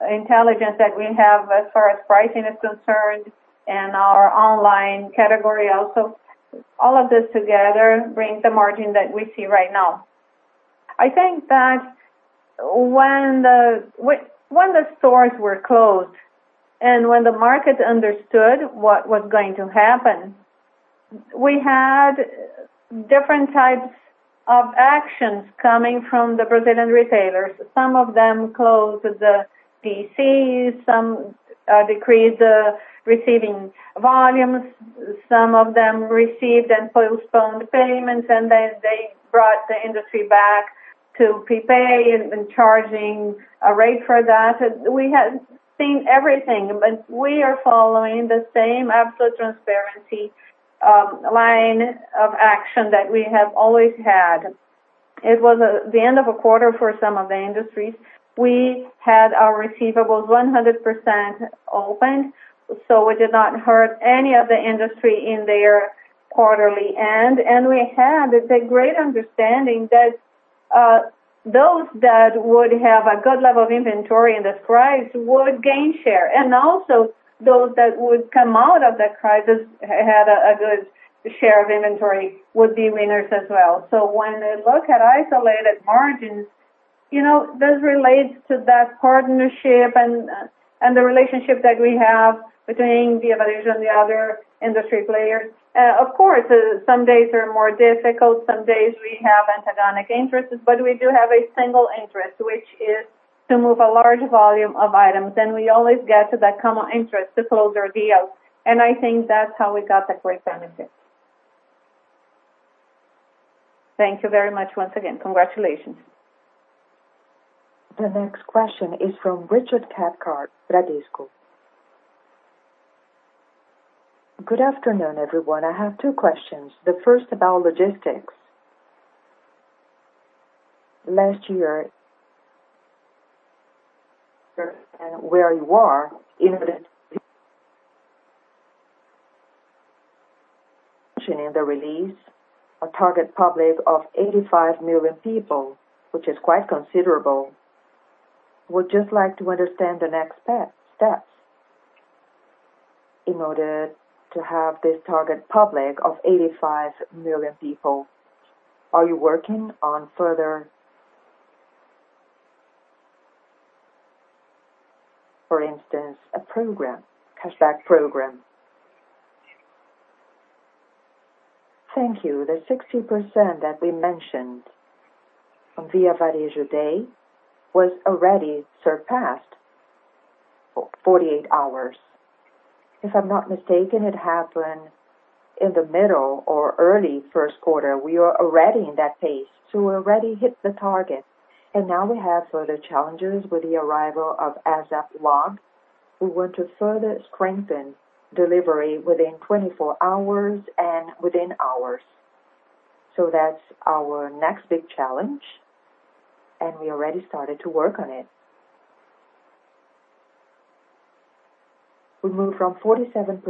intelligence that we have as far as pricing is concerned and our online category also. All of this together brings the margin that we see right now. I think that when the stores were closed and when the market understood what was going to happen, we had different types of actions coming from the Brazilian retailers. Some of them closed the DCs, some decreased the receiving volumes, some of them received and postponed payments. They brought the industry back to prepay and charging a rate for that. We have seen everything, we are following the same absolute transparency line of action that we have always had. It was the end of a quarter for some of the industries. We had our receivables 100% open, it did not hurt any of the industry in their quarterly end. We had a great understanding that those that would have a good level of inventory in this crisis would gain share. Also those that would come out of that crisis had a good share of inventory would be winners as well. When I look at isolated margins, this relates to that partnership and the relationship that we have between Via Varejo and the other industry players. Of course, some days are more difficult. Some days we have antagonistic interests, but we do have a single interest, which is to move a large volume of items. We always get to that common interest to close our deals, and I think that's how we got that great benefit. Thank you very much once again. Congratulations. The next question is from Richard Cathcart, Bradesco. Good afternoon, everyone. I have two questions. The first about logistics. Last year, where you are in the release, a target public of 85 million people, which is quite considerable. Would just like to understand the next steps in order to have this target public of 85 million people. Are you working on further, for instance, a cashback program? Thank you. The 60% that we mentioned on Via Varejo Day was already surpassed 48 hours. If I'm not mistaken, it happened in the middle or early first quarter. We are already in that pace, we already hit the target. Now we have further challenges with the arrival of ASAP Log. We want to further strengthen delivery within 24 hours and within hours. That's our next big challenge, and we already started to work on it. We moved from 47%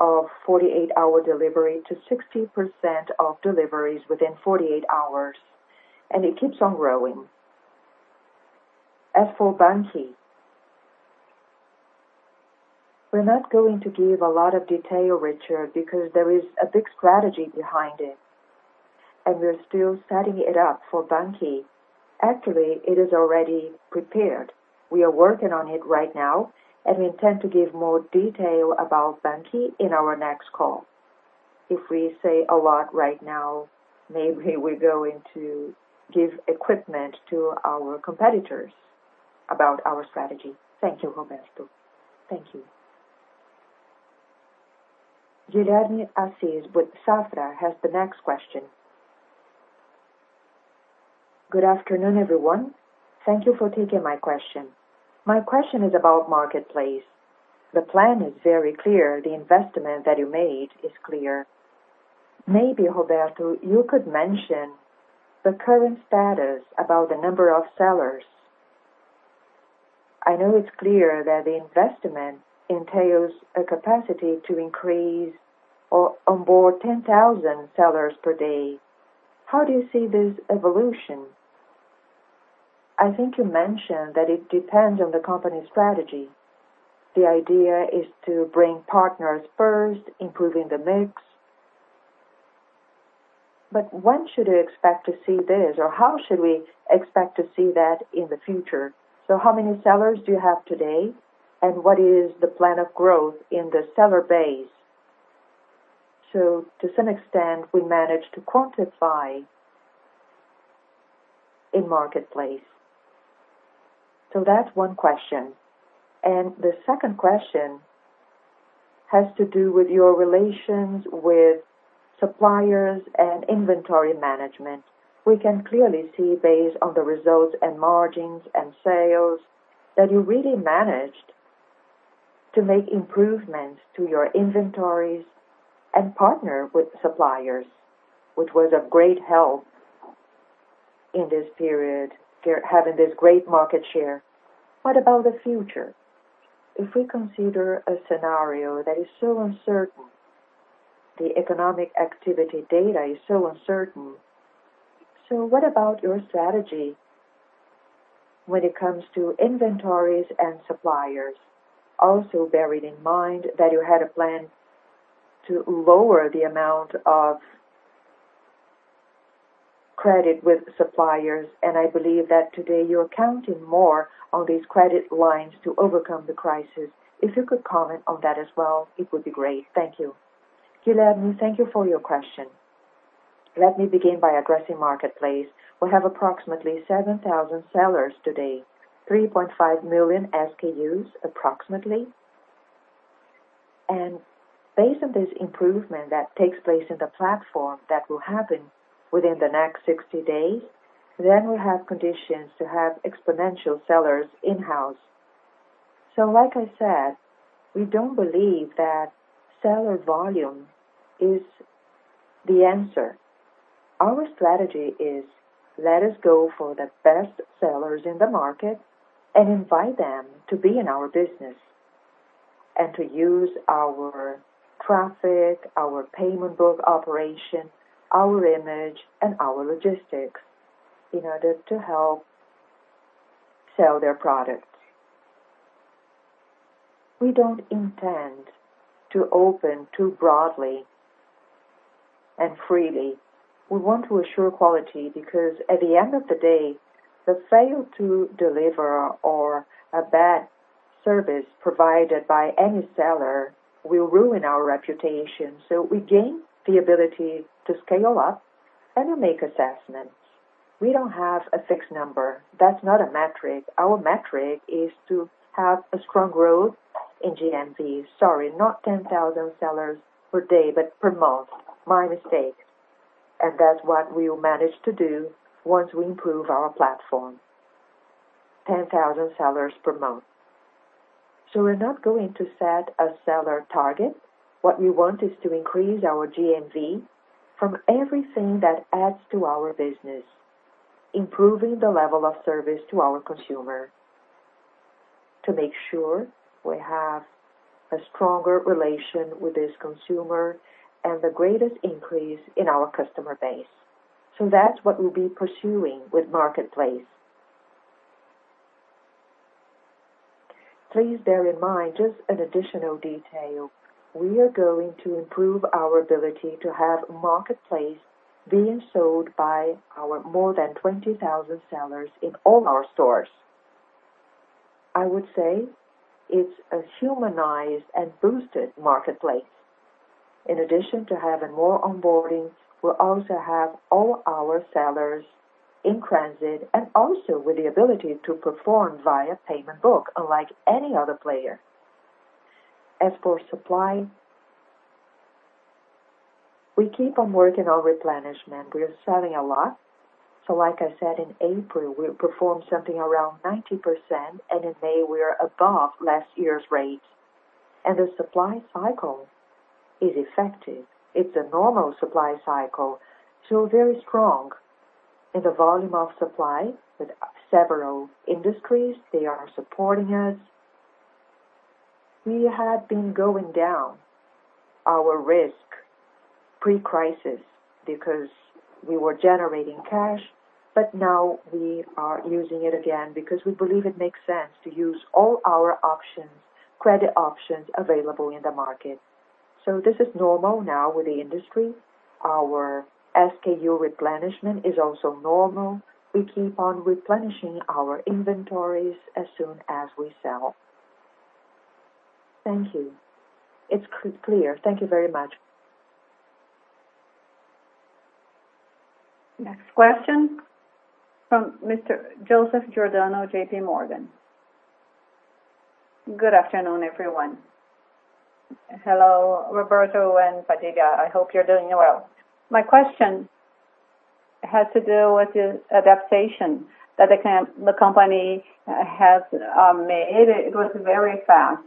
of 48-hour delivery to 60% of deliveries within 48 hours, and it keeps on growing. As for banQi, we're not going to give a lot of detail, Richard, because there is a big strategy behind it, and we're still setting it up for banQi. Actually, it is already prepared. We are working on it right now, and we intend to give more detail about banQi in our next call. If we say a lot right now, maybe we're going to give equipment to our competitors about our strategy. Thank you, Roberto. Thank you. Guilherme Assis with Safra has the next question. Good afternoon, everyone. Thank you for taking my question. My question is about marketplace. The plan is very clear. The investment that you made is clear. Maybe, Roberto, you could mention the current status about the number of sellers. I know it's clear that the investment entails a capacity to increase or onboard 10,000 sellers per day. How do you see this evolution? I think you mentioned that it depends on the company's strategy. The idea is to bring partners first, improving the mix. When should we expect to see this? How should we expect to see that in the future? How many sellers do you have today? What is the plan of growth in the seller base? To some extent, we managed to quantify a marketplace. That's one question. The second question has to do with your relations with suppliers and inventory management. We can clearly see based on the results and margins and sales, that you really managed to make improvements to your inventories and partner with suppliers, which was of great help in this period, having this great market share. What about the future? If we consider a scenario that is so uncertain, the economic activity data is so uncertain. What about your strategy when it comes to inventories and suppliers? Bearing in mind that you had a plan to lower the amount of credit with suppliers, and I believe that today you're counting more on these credit lines to overcome the crisis. If you could comment on that as well, it would be great. Thank you. Guilherme, thank you for your question. Let me begin by addressing Marketplace. We have approximately 7,000 sellers today, 3.5 million SKUs approximately. Based on this improvement that takes place in the platform that will happen within the next 60 days, we have conditions to have exponential sellers in-house. Like I said, we don't believe that seller volume is the answer. Our strategy is let us go for the best sellers in the market and invite them to be in our business. To use our traffic, our payment book operation, our image, and our logistics in order to help sell their products. We don't intend to open too broadly and freely. We want to assure quality because at the end of the day, the fail to deliver or a bad service provided by any seller will ruin our reputation. We gain the ability to scale up and we make assessments. We don't have a fixed number. That's not a metric. Our metric is to have a strong growth in GMV. Sorry, not 10,000 sellers per day, but per month. My mistake. That's what we will manage to do once we improve our platform. 10,000 sellers per month. We're not going to set a seller target. What we want is to increase our GMV from everything that adds to our business, improving the level of service to our consumer. To make sure we have a stronger relation with this consumer and the greatest increase in our customer base. That's what we'll be pursuing with Marketplace. Please bear in mind, just an additional detail. We are going to improve our ability to have Marketplace being sold by our more than 20,000 sellers in all our stores. I would say it's a humanized and boosted Marketplace. In addition to having more onboarding, we'll also have all our sellers in transit, and also with the ability to perform via payment book, unlike any other player. As for supply, we keep on working on replenishment. We are selling a lot. Like I said, in April, we performed something around 90%, and in May we are above last year's rate. The supply cycle is effective. It's a normal supply cycle. Very strong in the volume of supply with several industries. They are supporting us. We had been going down our risk pre-crisis because we were generating cash, but now we are using it again because we believe it makes sense to use all our options, credit options available in the market. This is normal now with the industry. Our SKU replenishment is also normal. We keep on replenishing our inventories as soon as we sell. Thank you. It's clear. Thank you very much. Next question from Mr. Joseph Giordano, JP Morgan. Good afternoon, everyone. Hello, Roberto and Patricia. I hope you're doing well. My question has to do with the adaptation that the company has made. It was very fast.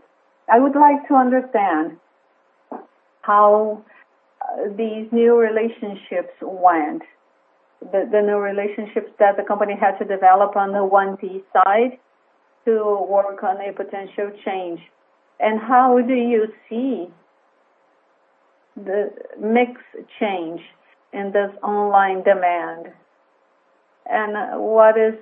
I would like to understand how these new relationships went, the new relationships that the company had to develop on the 1P side to work on a potential change. How do you see the mix change in this online demand? What is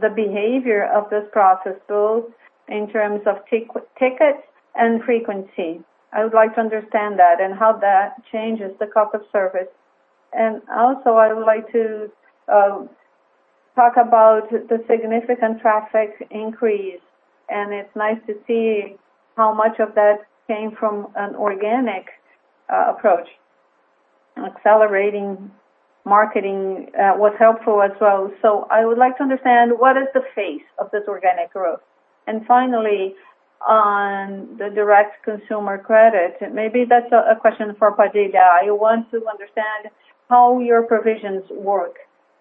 the behavior of this process, both in terms of tickets and frequency? I would like to understand that and how that changes the cost of service. I would like to talk about the significant traffic increase, and it's nice to see how much of that came from an organic approach. Accelerating marketing was helpful as well. I would like to understand what is the face of this organic growth. Finally, on the direct consumer credit, maybe that's a question for Padilha. I want to understand how your provisions work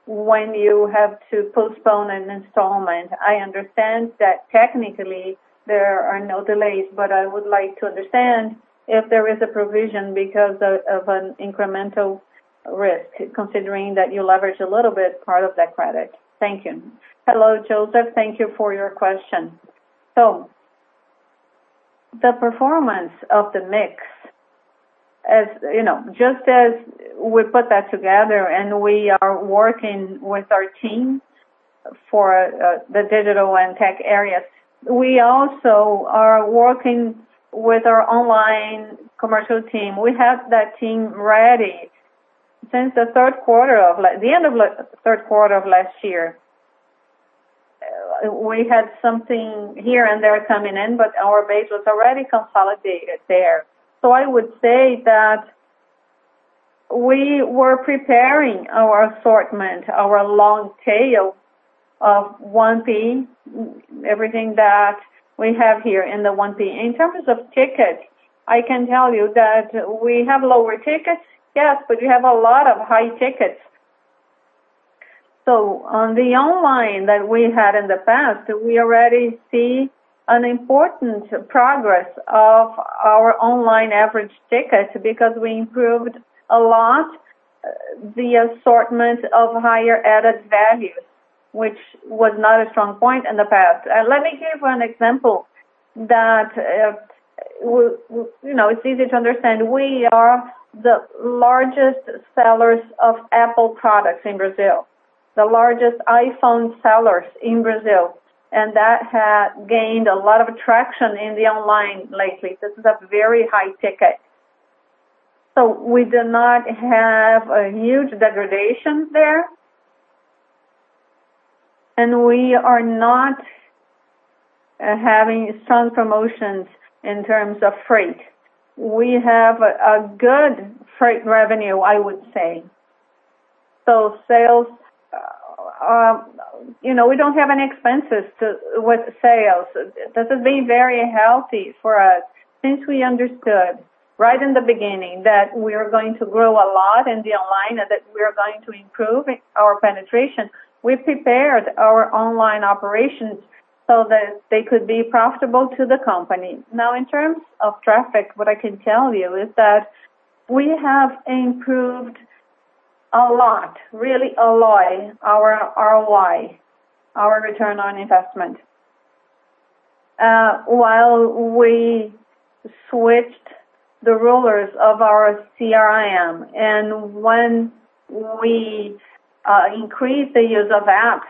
when you have to postpone an installment. I understand that technically there are no delays, but I would like to understand if there is a provision because of an incremental risk, considering that you leverage a little bit part of that credit. Thank you. Hello, Joseph. Thank you for your question. The performance of the mix, just as we put that together and we are working with our team for the digital and tech areas. We also are working with our online commercial team. We have that team ready since the end of third quarter of last year. We had something here and there coming in, but our base was already consolidated there. I would say that we were preparing our assortment, our long tail of 1P, everything that we have here in the 1P. In terms of tickets, I can tell you that we have lower tickets, yes, but we have a lot of high tickets. On the online that we had in the past, we already see an important progress of our online average tickets because we improved a lot the assortment of higher added values, which was not a strong point in the past. Let me give an example that it's easy to understand. We are the largest sellers of Apple products in Brazil. The largest iPhone sellers in Brazil. That had gained a lot of traction in the online lately. This is a very high ticket. We do not have a huge degradation there, and we are not having strong promotions in terms of freight. We have a good freight revenue, I would say. We don't have any expenses with sales. This has been very healthy for us. Since we understood right in the beginning that we are going to grow a lot in the online and that we are going to improve our penetration, we prepared our online operations so that they could be profitable to the company. Now, in terms of traffic, what I can tell you is that we have improved a lot, really a lot, our ROI, our return on investment. While we switched the rulers of our CRM, and when we increase the use of app,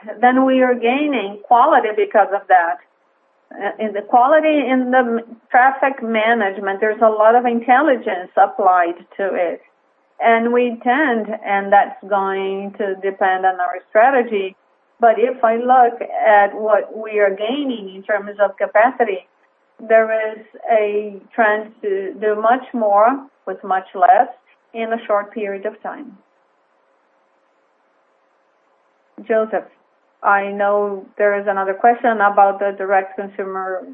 we are gaining quality because of that. In the quality in the traffic management, there's a lot of intelligence applied to it. We intend, and that's going to depend on our strategy. If I look at what we are gaining in terms of capacity, there is a trend to do much more with much less in a short period of time. Joseph, I know there is another question about the direct consumer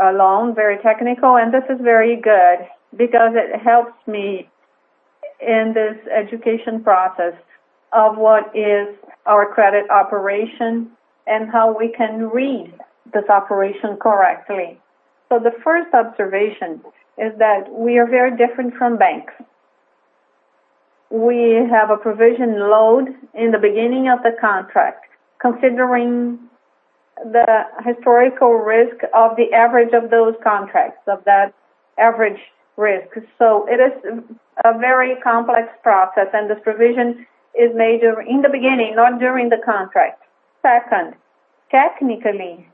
loan, very technical, and this is very good because it helps me in this education process of what is our credit operation and how we can read this operation correctly. The first observation is that we are very different from banks. We have a provision load in the beginning of the contract, considering the historical risk of the average of those contracts, of that average risk. It is a very complex process, and this provision is made in the beginning, not during the contract. Second, technically,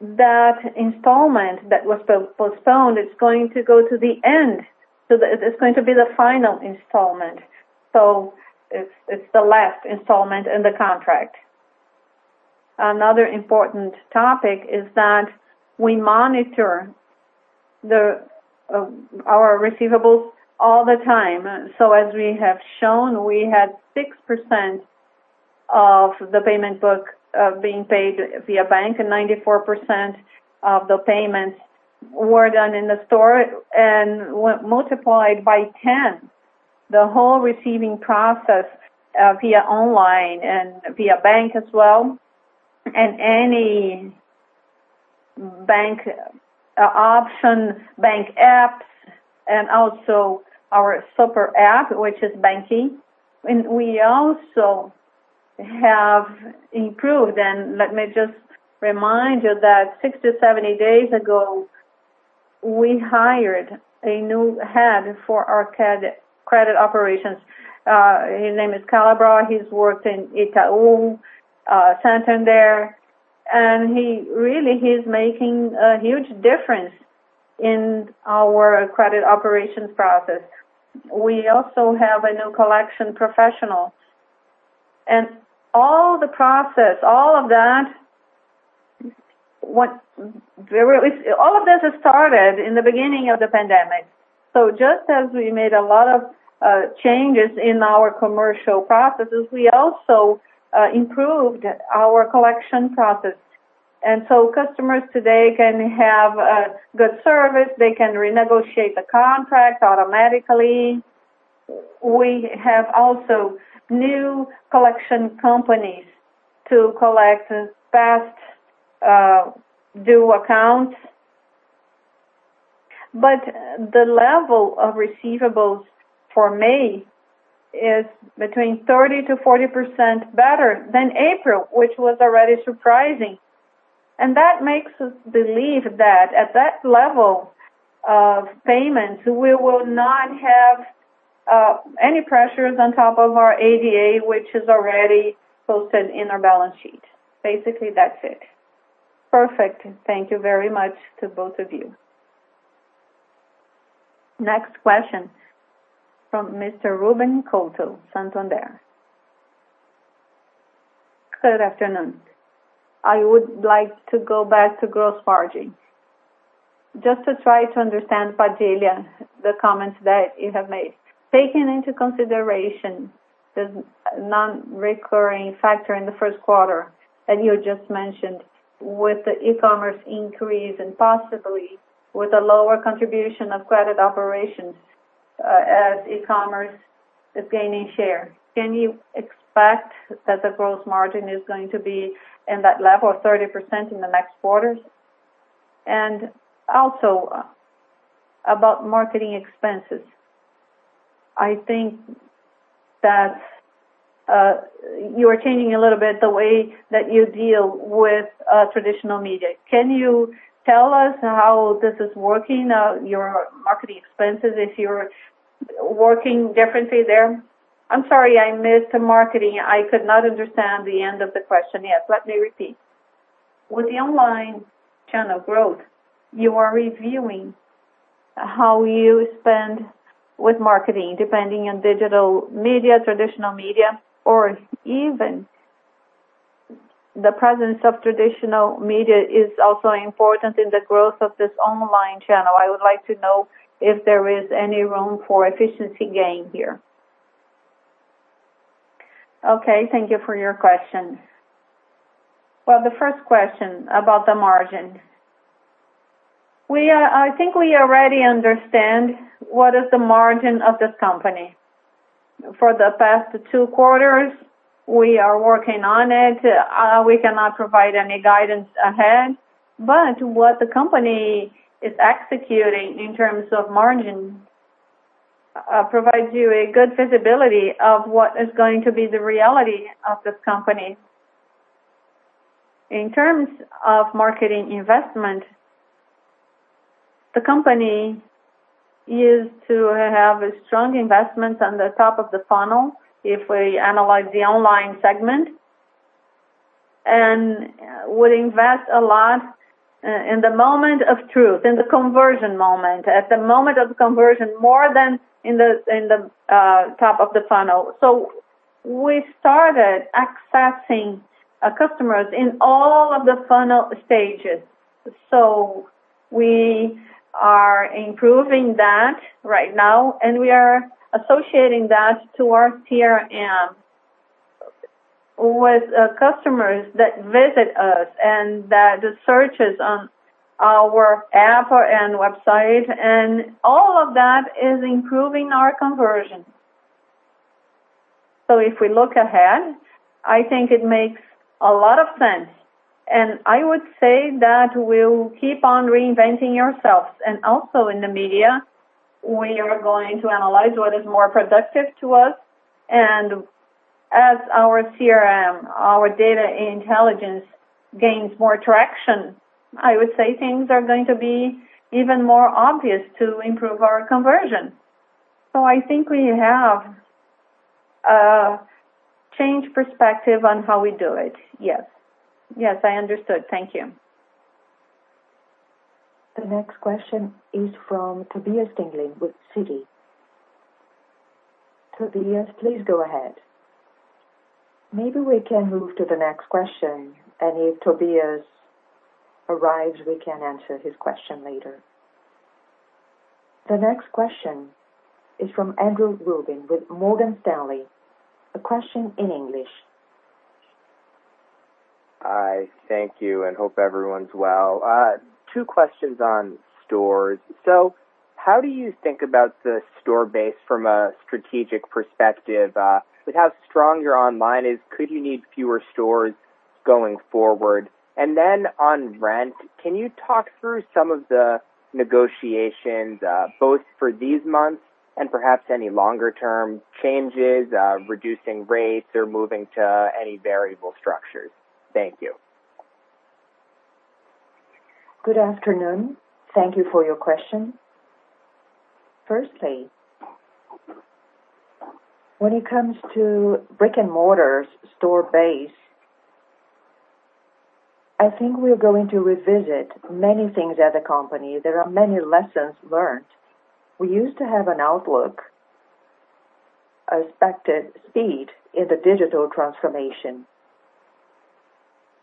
that installment that was postponed is going to go to the end. It's going to be the final installment. It's the last installment in the contract. Another important topic is that we monitor our receivables all the time. As we have shown, we had 6% of the payment book being paid via bank, and 94% of the payments were done in the store and multiplied by 10. The whole receiving process via online and via bank as well, and any bank option, bank apps, and also our super app, which is banQi. We also have improved, and let me just remind you that 60, 70 days ago, we hired a new head for our credit operations. His name is Calabró. He's worked in Itaú, Santander, and really, he's making a huge difference in our credit operations process. We also have a new collection professional. All the process, all of that has started in the beginning of the pandemic. Just as we made a lot of changes in our commercial processes, we also improved our collection process. Customers today can have a good service. They can renegotiate the contract automatically. We have also new collection companies to collect past due accounts. The level of receivables for May is between 30%-40% better than April, which was already surprising. That makes us believe that at that level of payments, we will not have any pressures on top of our ADA, which is already posted in our balance sheet. Basically, that's it. Perfect. Thank you very much to both of you. Next question from Mr. Ruben Couto, Santander. Good afternoon. I would like to go back to gross margin. Just to try to understand, Padilha, the comments that you have made. Taking into consideration the non-recurring factor in the first quarter that you just mentioned, with the e-commerce increase and possibly with a lower contribution of credit operations as e-commerce is gaining share, can you expect that the gross margin is going to be in that level of 30% in the next quarters? Also about marketing expenses. I think that you are changing a little bit the way that you deal with traditional media. Can you tell us how this is working, your marketing expenses, if you're working differently there? I'm sorry, I missed marketing. I could not understand the end of the question. Let me repeat. With the online channel growth, you are reviewing how you spend with marketing, depending on digital media, traditional media, or even the presence of traditional media is also important in the growth of this online channel. I would like to know if there is any room for efficiency gain here. Okay, thank you for your question. Well, the first question about the margin. I think we already understand what is the margin of this company. For the past two quarters, we are working on it. We cannot provide any guidance ahead, but what the company is executing in terms of margin provides you a good visibility of what is going to be the reality of this company. In terms of marketing investment, the company used to have a strong investment on the top of the funnel if we analyze the online segment, and would invest a lot in the moment of truth, in the conversion moment. At the moment of conversion, more than in the top of the funnel. We started accessing customers in all of the funnel stages. We are improving that right now, and we are associating that to our CRM with customers that visit us and that do searches on our app and website, and all of that is improving our conversion. If we look ahead, I think it makes a lot of sense, and I would say that we will keep on reinventing ourselves. Also in the media, we are going to analyze what is more productive to us. As our CRM, our data intelligence gains more traction, I would say things are going to be even more obvious to improve our conversion. I think we have a change perspective on how we do it. Yes. Yes, I understood. Thank you. The next question is from Tobias Tingley with Citi. Tobias, please go ahead. Maybe we can move to the next question, and if Tobias arrives, we can answer his question later. The next question is from Andrew Rubin with Morgan Stanley. A question in English. Hi. Thank you, and hope everyone's well. Two questions on stores. How do you think about the store base from a strategic perspective? With how strong your online is, could you need fewer stores going forward? On rent, can you talk through some of the negotiations, both for these months and perhaps any longer-term changes, reducing rates or moving to any variable structures? Thank you. Good afternoon. Thank you for your question. Firstly, when it comes to brick-and-mortar store base, I think we're going to revisit many things as a company. There are many lessons learned. We used to have an outlook, expected speed in the digital transformation,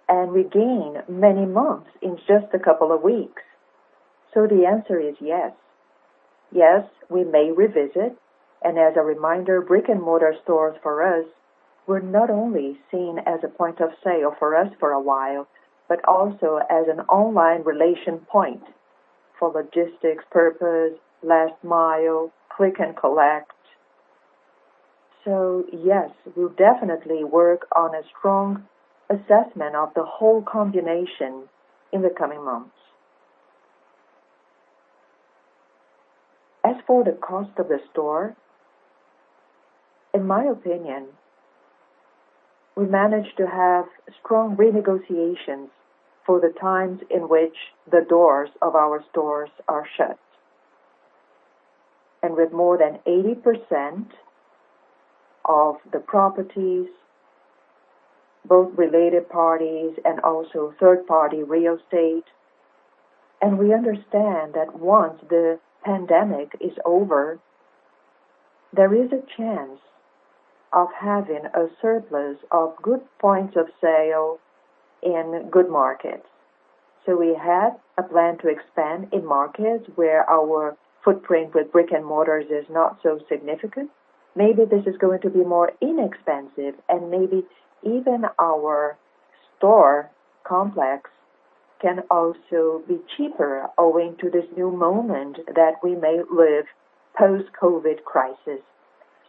and we gain many months in just a couple of weeks. The answer is yes. Yes, we may revisit, and as a reminder, brick-and-mortar stores for us were not only seen as a point of sale for us for a while, but also as an online relation point for logistics purpose, last mile, click and collect. Yes, we'll definitely work on a strong assessment of the whole combination in the coming months. As for the cost of the store, in my opinion, we managed to have strong renegotiations for the times in which the doors of our stores are shut. With more than 80% of the properties, both related parties and also third-party real estate. We understand that once the pandemic is over, there is a chance of having a surplus of good points of sale in good markets. We have a plan to expand in markets where our footprint with brick-and-mortars is not so significant. Maybe this is going to be more inexpensive, and maybe even our store complex can also be cheaper owing to this new moment that we may live post-COVID crisis.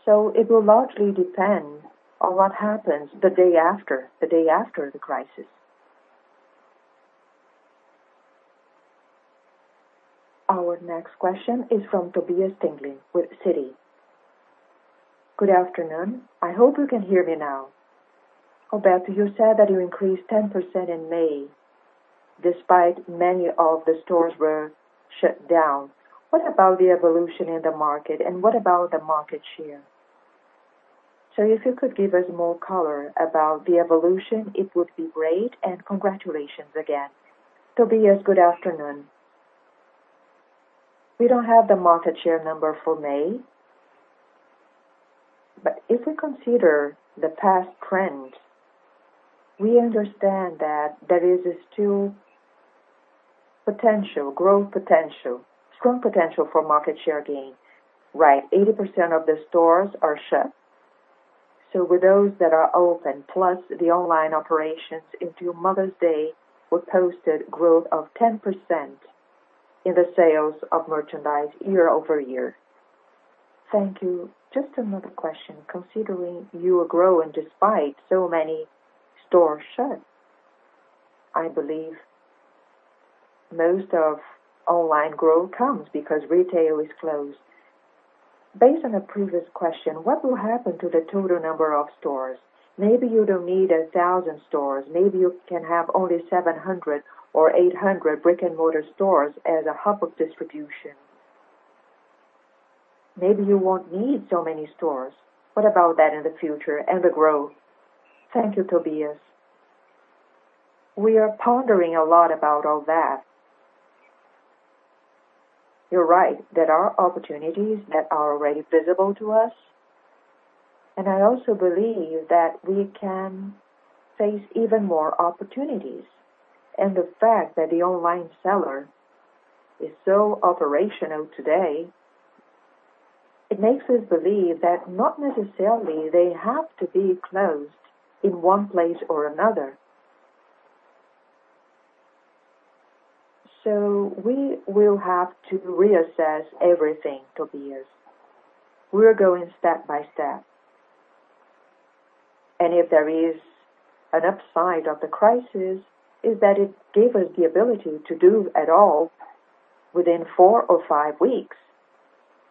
It will largely depend on what happens the day after the crisis. Our next question is from Tobias Tingley with Citi. Good afternoon. I hope you can hear me now. Roberto, you said that you increased 10% in May, despite many of the stores were shut down. What about the evolution in the market, and what about the market share? If you could give us more color about the evolution, it would be great, and congratulations again. Tobias, good afternoon. We don't have the market share number for May. If we consider the past trends, we understand that there is still potential, growth potential, strong potential for market share gain, right? 80% of the stores are shut. With those that are open plus the online operations into Mother's Day, we posted growth of 10% in the sales of merchandise year over year. Thank you. Just another question. Considering you are growing despite so many stores shut, I believe most of online growth comes because retail is closed. Based on a previous question, what will happen to the total number of stores? Maybe you don't need 1,000 stores. Maybe you can have only 700 or 800 brick-and-mortar stores as a hub of distribution. Maybe you won't need so many stores. What about that in the future and the growth? Thank you, Tobias. We are pondering a lot about all that. You're right. There are opportunities that are already visible to us. I also believe that we can face even more opportunities. The fact that the online seller is so operational today, it makes us believe that not necessarily they have to be closed in one place or another. We will have to reassess everything, Tobias. We're going step by step. If there is an upside of the crisis, is that it gave us the ability to do it all within four or five weeks.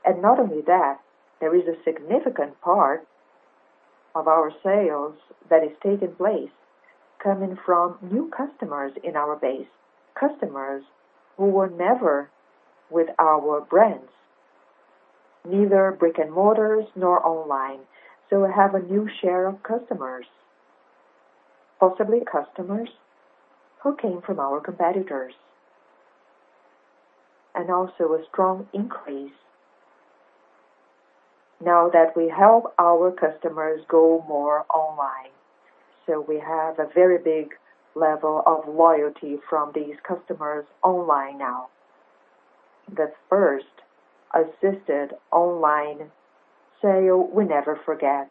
Not only that, there is a significant part of our sales that is taking place coming from new customers in our base, customers who were never with our brands, neither brick-and-mortars nor online. We have a new share of customers, possibly customers who came from our competitors. Also a strong increase now that we help our customers go more online. We have a very big level of loyalty from these customers online now. The first assisted online sale we never forget.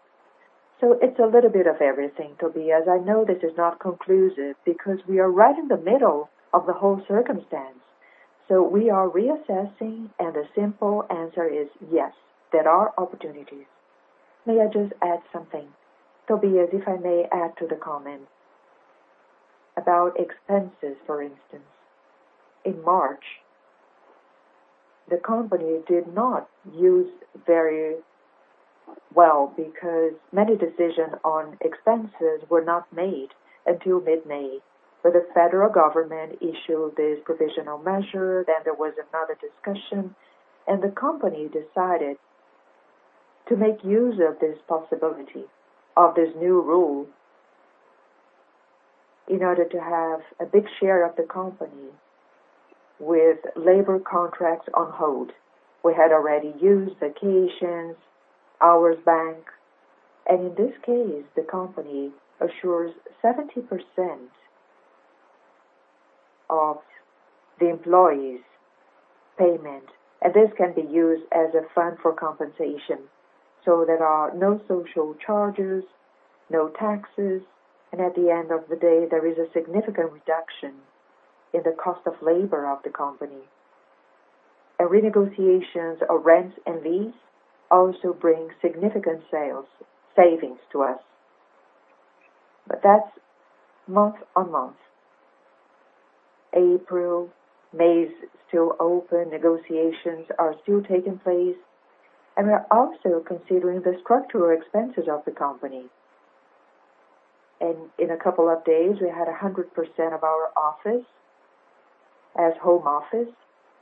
It's a little bit of everything, Tobias. I know this is not conclusive because we are right in the middle of the whole circumstance. We are reassessing, and the simple answer is yes, there are opportunities. May I just add something? Tobias, if I may add to the comment. About expenses, for instance. In March. The company did not use very well because many decisions on expenses were not made until mid-May. The federal government issued this provisional measure. There was another discussion, and the company decided to make use of this possibility of this new rule in order to have a big share of the company with labor contracts on hold. We had already used vacations, hours bank, and in this case, the company assures 70% of the employees' payment, and this can be used as a fund for compensation. There are no social charges, no taxes, and at the end of the day, there is a significant reduction in the cost of labor of the company. Renegotiations of rents and lease also bring significant sales savings to us. That's month-on-month. April, May is still open, negotiations are still taking place, and we're also considering the structural expenses of the company. In a couple of days, we had 100% of our office as home office,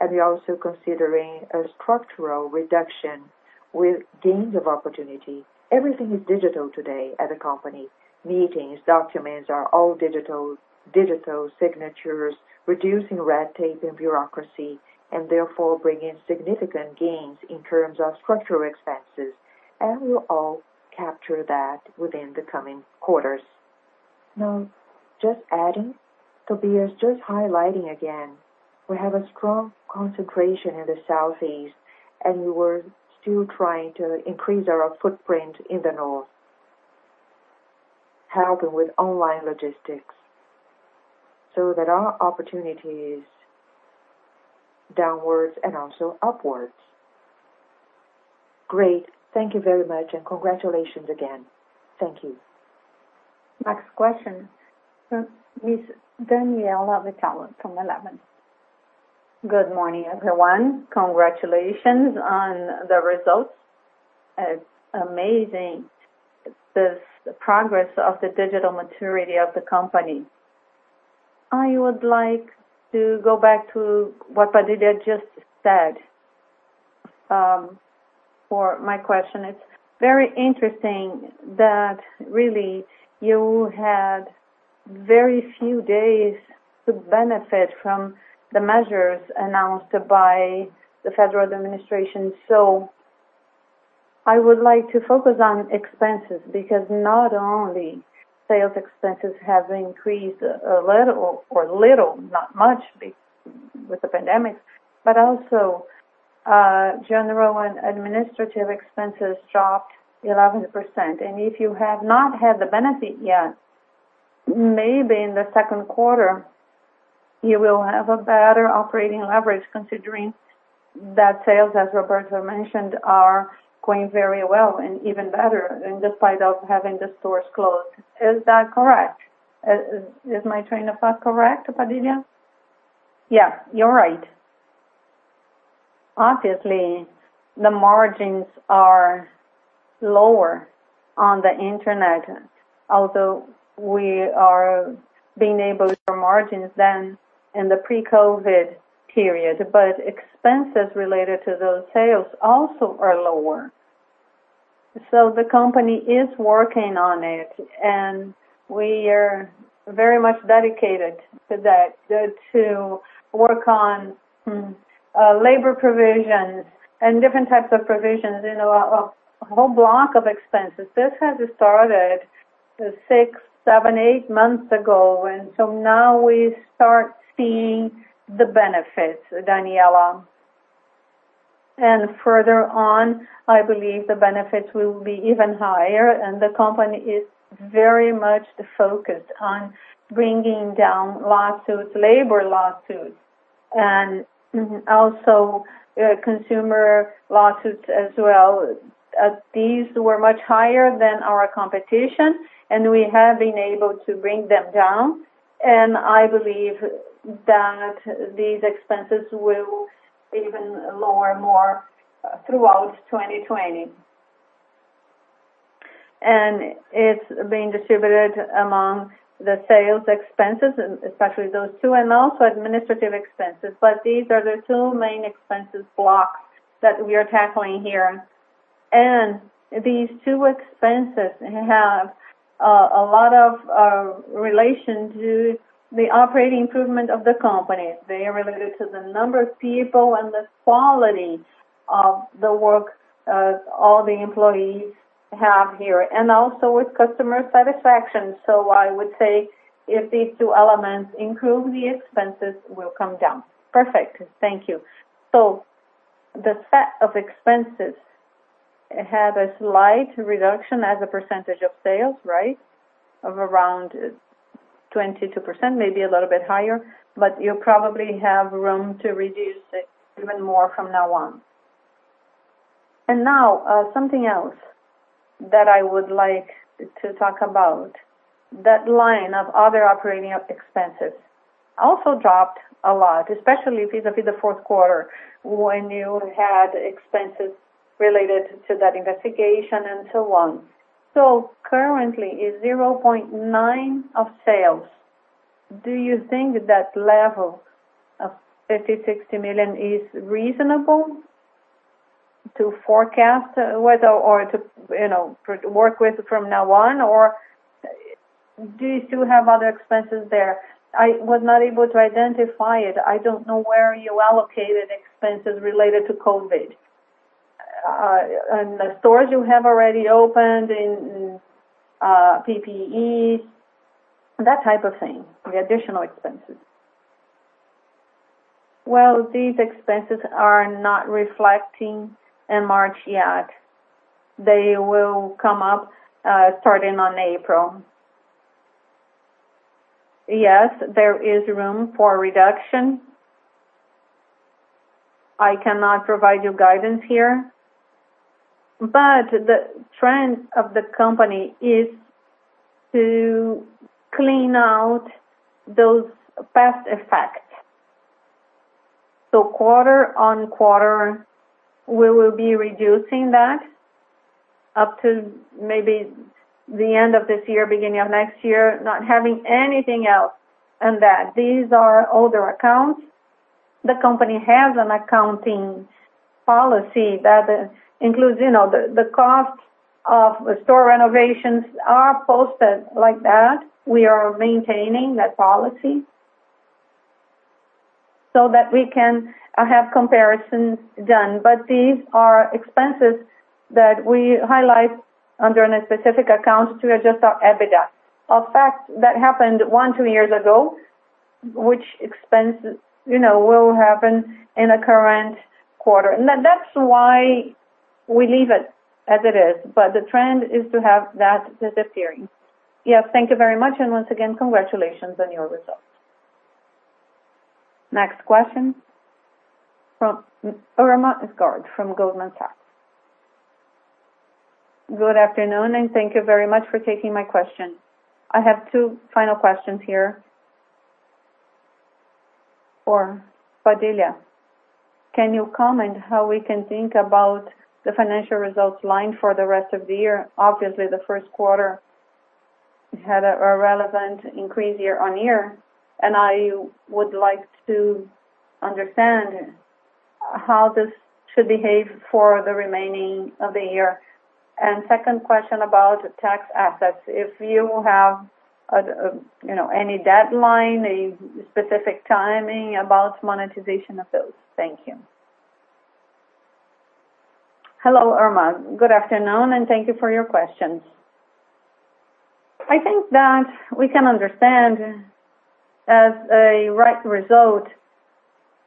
and we're also considering a structural reduction with gains of opportunity. Everything is digital today at a company. Meetings, documents are all digital signatures, reducing red tape and bureaucracy, and therefore bringing significant gains in terms of structural expenses. We'll all capture that within the coming quarters. Now, just adding, Tobias, just highlighting again, we have a strong concentration in the southeast, and we were still trying to increase our footprint in the north, helping with online logistics, so that our opportunity is downwards and also upwards. Great. Thank you very much, and congratulations again. Thank you. Next question from Ms. Daniela Vital from Eleven Financial. Good morning, everyone. Congratulations on the results. It's amazing, the progress of the digital maturity of the company. I would like to go back to what Padilha just said. For my question, it's very interesting that really you had very few days to benefit from the measures announced by the federal administration. I would like to focus on expenses, because not only sales expenses have increased a little, not much be with the pandemic, but also general and administrative expenses dropped 11%. If you have not had the benefit yet, maybe in the second quarter, you will have a better operating leverage considering that sales, as Roberto mentioned, are going very well and even better in despite of having the stores closed. Is that correct? Is my train of thought correct, Padilha? Yeah, you are right. Obviously, the margins are lower on the internet, although we are being able to margins than in the pre-COVID period. Expenses related to those sales also are lower. The company is working on it, and we are very much dedicated to that, to work on labor provisions and different types of provisions in a whole block of expenses. This has started six, seven, eight months ago, and so now we start seeing the benefits, Daniela. Further on, I believe the benefits will be even higher, and the company is very much focused on bringing down lawsuits, labor lawsuits, and also consumer lawsuits as well. These were much higher than our competition, and we have been able to bring them down. I believe that these expenses will even lower more throughout 2020. It's being distributed among the sales expenses, especially those two and also administrative expenses. These are the two main expenses blocks that we are tackling here. These two expenses have a lot of relation to the operating improvement of the company. They are related to the number of people and the quality of the work as all the employees have here, and also with customer satisfaction. I would say if these two elements improve, the expenses will come down. Perfect. Thank you. The set of expenses had a slight reduction as a % of sales, right? Of around 22%, maybe a little bit higher, but you probably have room to reduce it even more from now on. Something else that I would like to talk about. That line of other operating expenses also dropped a lot, especially vis-a-vis the fourth quarter, when you had expenses related to that investigation and so on. Currently it's 0.9 of sales. Do you think that level of 30 million-36 million is reasonable to forecast or to work with from now on, or do you still have other expenses there? I was not able to identify it. I don't know where you allocated expenses related to COVID. In the stores you have already opened, in PPE, that type of thing. The additional expenses. Well, these expenses are not reflecting in March yet. They will come up starting on April. Yes, there is room for reduction. I cannot provide you guidance here, the trend of the company is to clean out those past effects. Quarter on quarter, we will be reducing that up to maybe the end of this year, beginning of next year, not having anything else in that. These are older accounts. The company has an accounting policy that includes the cost of store renovations are posted like that. We are maintaining that policy so that we can have comparisons done. These are expenses that we highlight under a specific account to adjust our EBITDA. A fact that happened one, two years ago, which expense will happen in the current quarter. That's why we leave it as it is. The trend is to have that disappearing. Yes. Thank you very much. Once again, congratulations on your results. Next question. From Irma Sgarz, from Goldman Sachs. Good afternoon. Thank you very much for taking my question. I have two final questions here for Padilha. Can you comment how we can think about the financial results line for the rest of the year? Obviously, the first quarter had a relevant increase year-over-year, and I would like to understand how this should behave for the remaining of the year. Second question about tax assets, if you have any deadline, a specific timing about monetization of those. Thank you. Hello, Irma. Good afternoon. Thank you for your questions. I think that we can understand as a right result,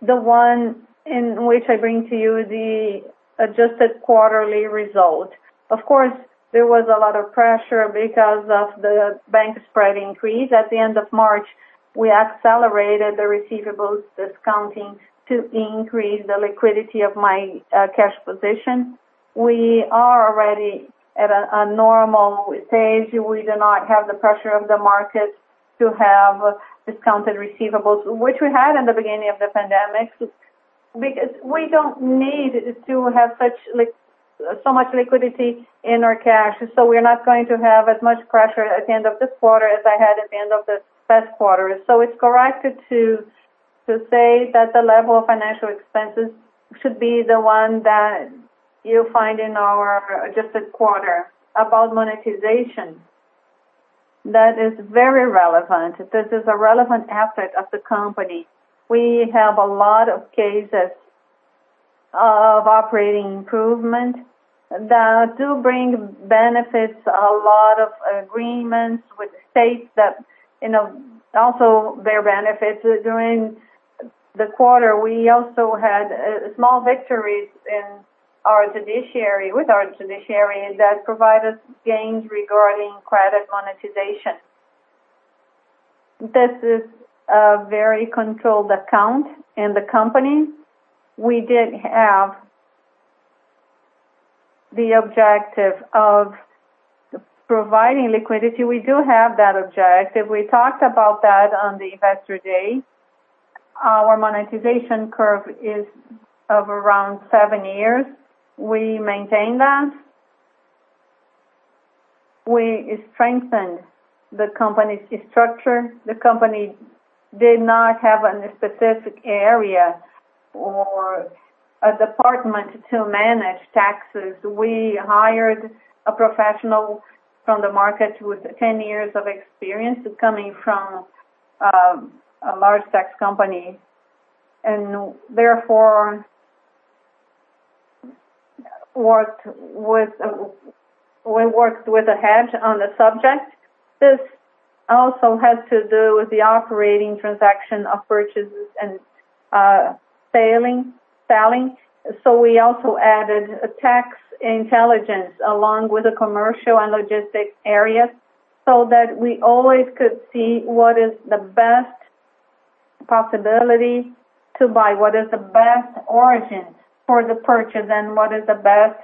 the one in which I bring to you the adjusted quarterly result. Of course, there was a lot of pressure because of the bank spread increase. At the end of March, we accelerated the receivables discounting to increase the liquidity of my cash position. We are already at a normal stage. We do not have the pressure of the market to have discounted receivables, which we had in the beginning of the pandemic, because we don't need to have so much liquidity in our cash. We're not going to have as much pressure at the end of this quarter as I had at the end of the past quarter. It's correct to say that the level of financial expenses should be the one that you find in our adjusted quarter. About monetization, that is very relevant. This is a relevant asset of the company. We have a lot of cases of operating improvement that do bring benefits, a lot of agreements with states that also bear benefits. During the quarter, we also had small victories with our judiciary that provided gains regarding credit monetization. This is a very controlled account in the company. We did have the objective of providing liquidity. We do have that objective. We talked about that on the investor day. Our monetization curve is of around seven years. We maintain that. We strengthened the company's structure. The company did not have any specific area or a department to manage taxes. We hired a professional from the market with 10 years of experience, coming from a large tax company, and therefore, we worked with a hedge on the subject. This also had to do with the operating transaction of purchases and selling. We also added a tax intelligence along with the commercial and logistics area so that we always could see what is the best possibility to buy. What is the best origin for the purchase, and what is the best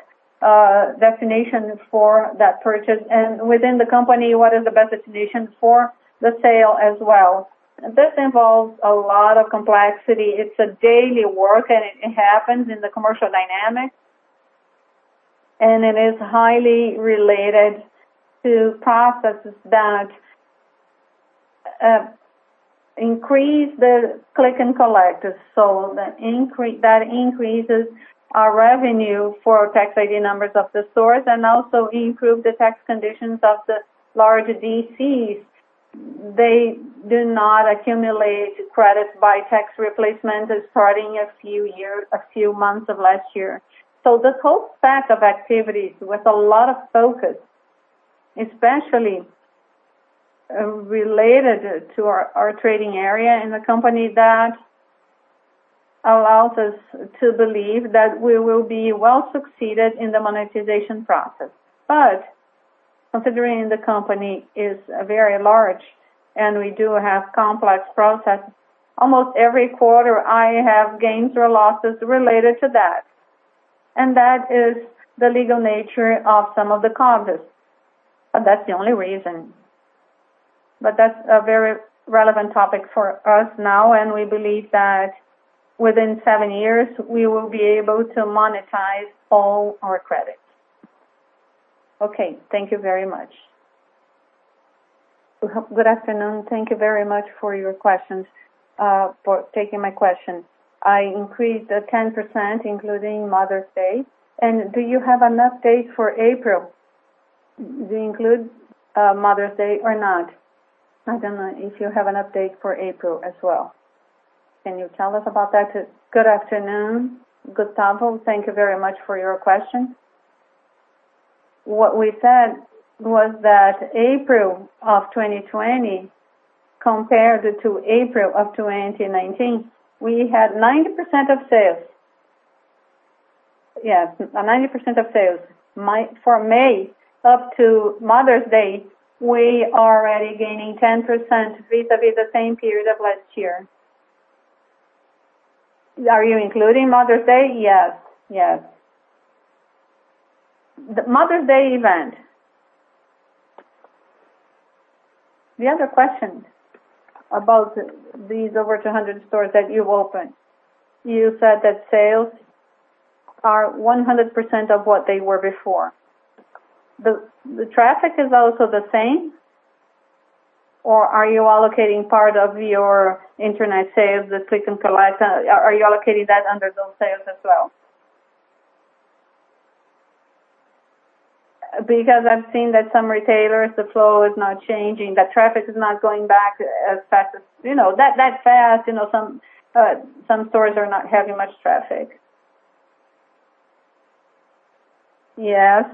destination for that purchase? Within the company, what is the best destination for the sale as well? This involves a lot of complexity. It's a daily work, and it happens in the commercial dynamics. It is highly related to processes that increase the click and collect. That increases our revenue for tax ID numbers of the stores and also improves the tax conditions of the large DCs. They do not accumulate credit by tax replacement starting a few months of last year. The whole stack of activities, with a lot of focus, especially related to our trading area in the company that allows us to believe that we will be well-succeeded in the monetization process. Considering the company is very large and we do have complex processes, almost every quarter I have gains or losses related to that. That is the legal nature of some of the contracts. That's the only reason. That's a very relevant topic for us now, and we believe that within seven years we will be able to monetize all our credits. Okay. Thank you very much. Good afternoon. Thank you very much for taking my question. I increased the 10%, including Mother's Day. Do you have an update for April? Do you include Mother's Day or not? I don't know if you have an update for April as well. Can you tell us about that? Good afternoon, Gustavo. Thank you very much for your question. What we said was that April of 2020 compared to April of 2019, we had 90% of sales. Yes, 90% of sales. For May up to Mother's Day, we are already gaining 10% vis-à-vis the same period of last year. Are you including Mother's Day? Yes. The Mother's Day event. The other question about these over 200 stores that you've opened. You said that sales are 100% of what they were before. The traffic is also the same, or are you allocating part of your internet sales, the click and collect, are you allocating that under those sales as well? I've seen that some retailers, the flow is not changing, the traffic is not going back that fast. Some stores are not having much traffic. Yes.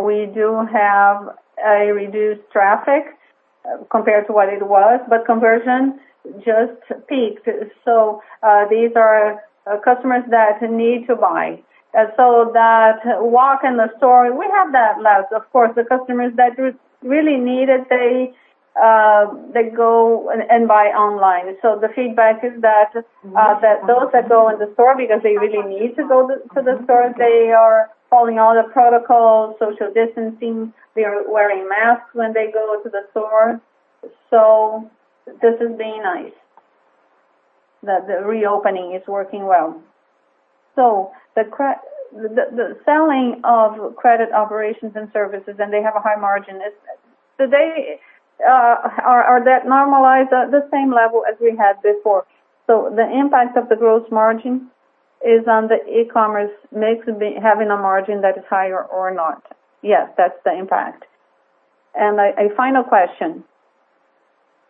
We do have a reduced traffic compared to what it was, but conversion just peaked. These are customers that need to buy. That walk in the store, we have that less. Of course, the customers that really need it, they go and buy online. The feedback is that those that go in the store because they really need to go to the store, they are following all the protocols, social distancing. They are wearing masks when they go to the store. This is being nice. That the reopening is working well. The selling of credit operations and services, and they have a high margin, are that normalized at the same level as we had before? The impact of the gross margin is on the e-commerce, may it be having a margin that is higher or not. Yes, that's the impact. A final question.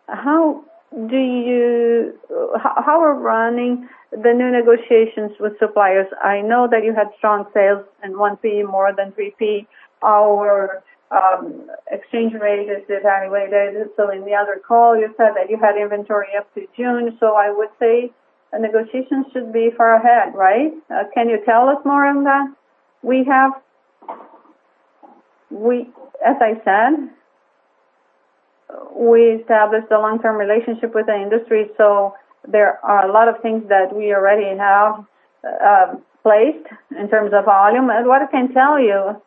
How are running the new negotiations with suppliers? I know that you had strong sales in 1P more than 3P. Our exchange rate is evaluated. In the other call, you said that you had inventory up to June. I would say a negotiation should be far ahead, right? Can you tell us more on that? As I said, we established a long-term relationship with the industry. There are a lot of things that we already have placed in terms of volume. What I can tell you,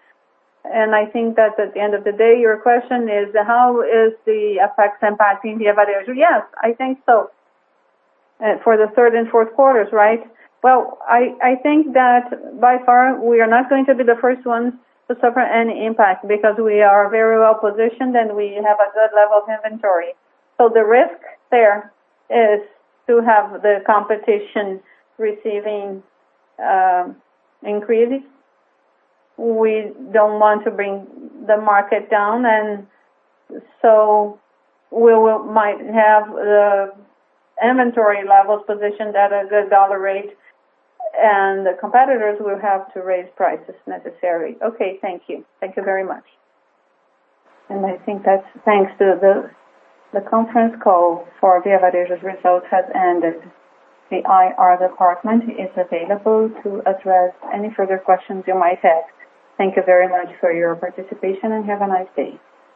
and I think that at the end of the day, your question is how is the effects impacting Via Varejo. Yes, I think so. For the third and fourth quarters, right? Well, I think that by far we are not going to be the first ones to suffer any impact because we are very well positioned and we have a good level of inventory. The risk there is to have the competition receiving increases. We don't want to bring the market down, and so we might have the inventory levels positioned at a good dollar rate, and the competitors will have to raise prices necessary. Okay. Thank you. Thank you very much. I think that's thanks to the conference call for Via Varejo's results has ended. The IR department is available to address any further questions you might ask. Thank you very much for your participation, and have a nice day.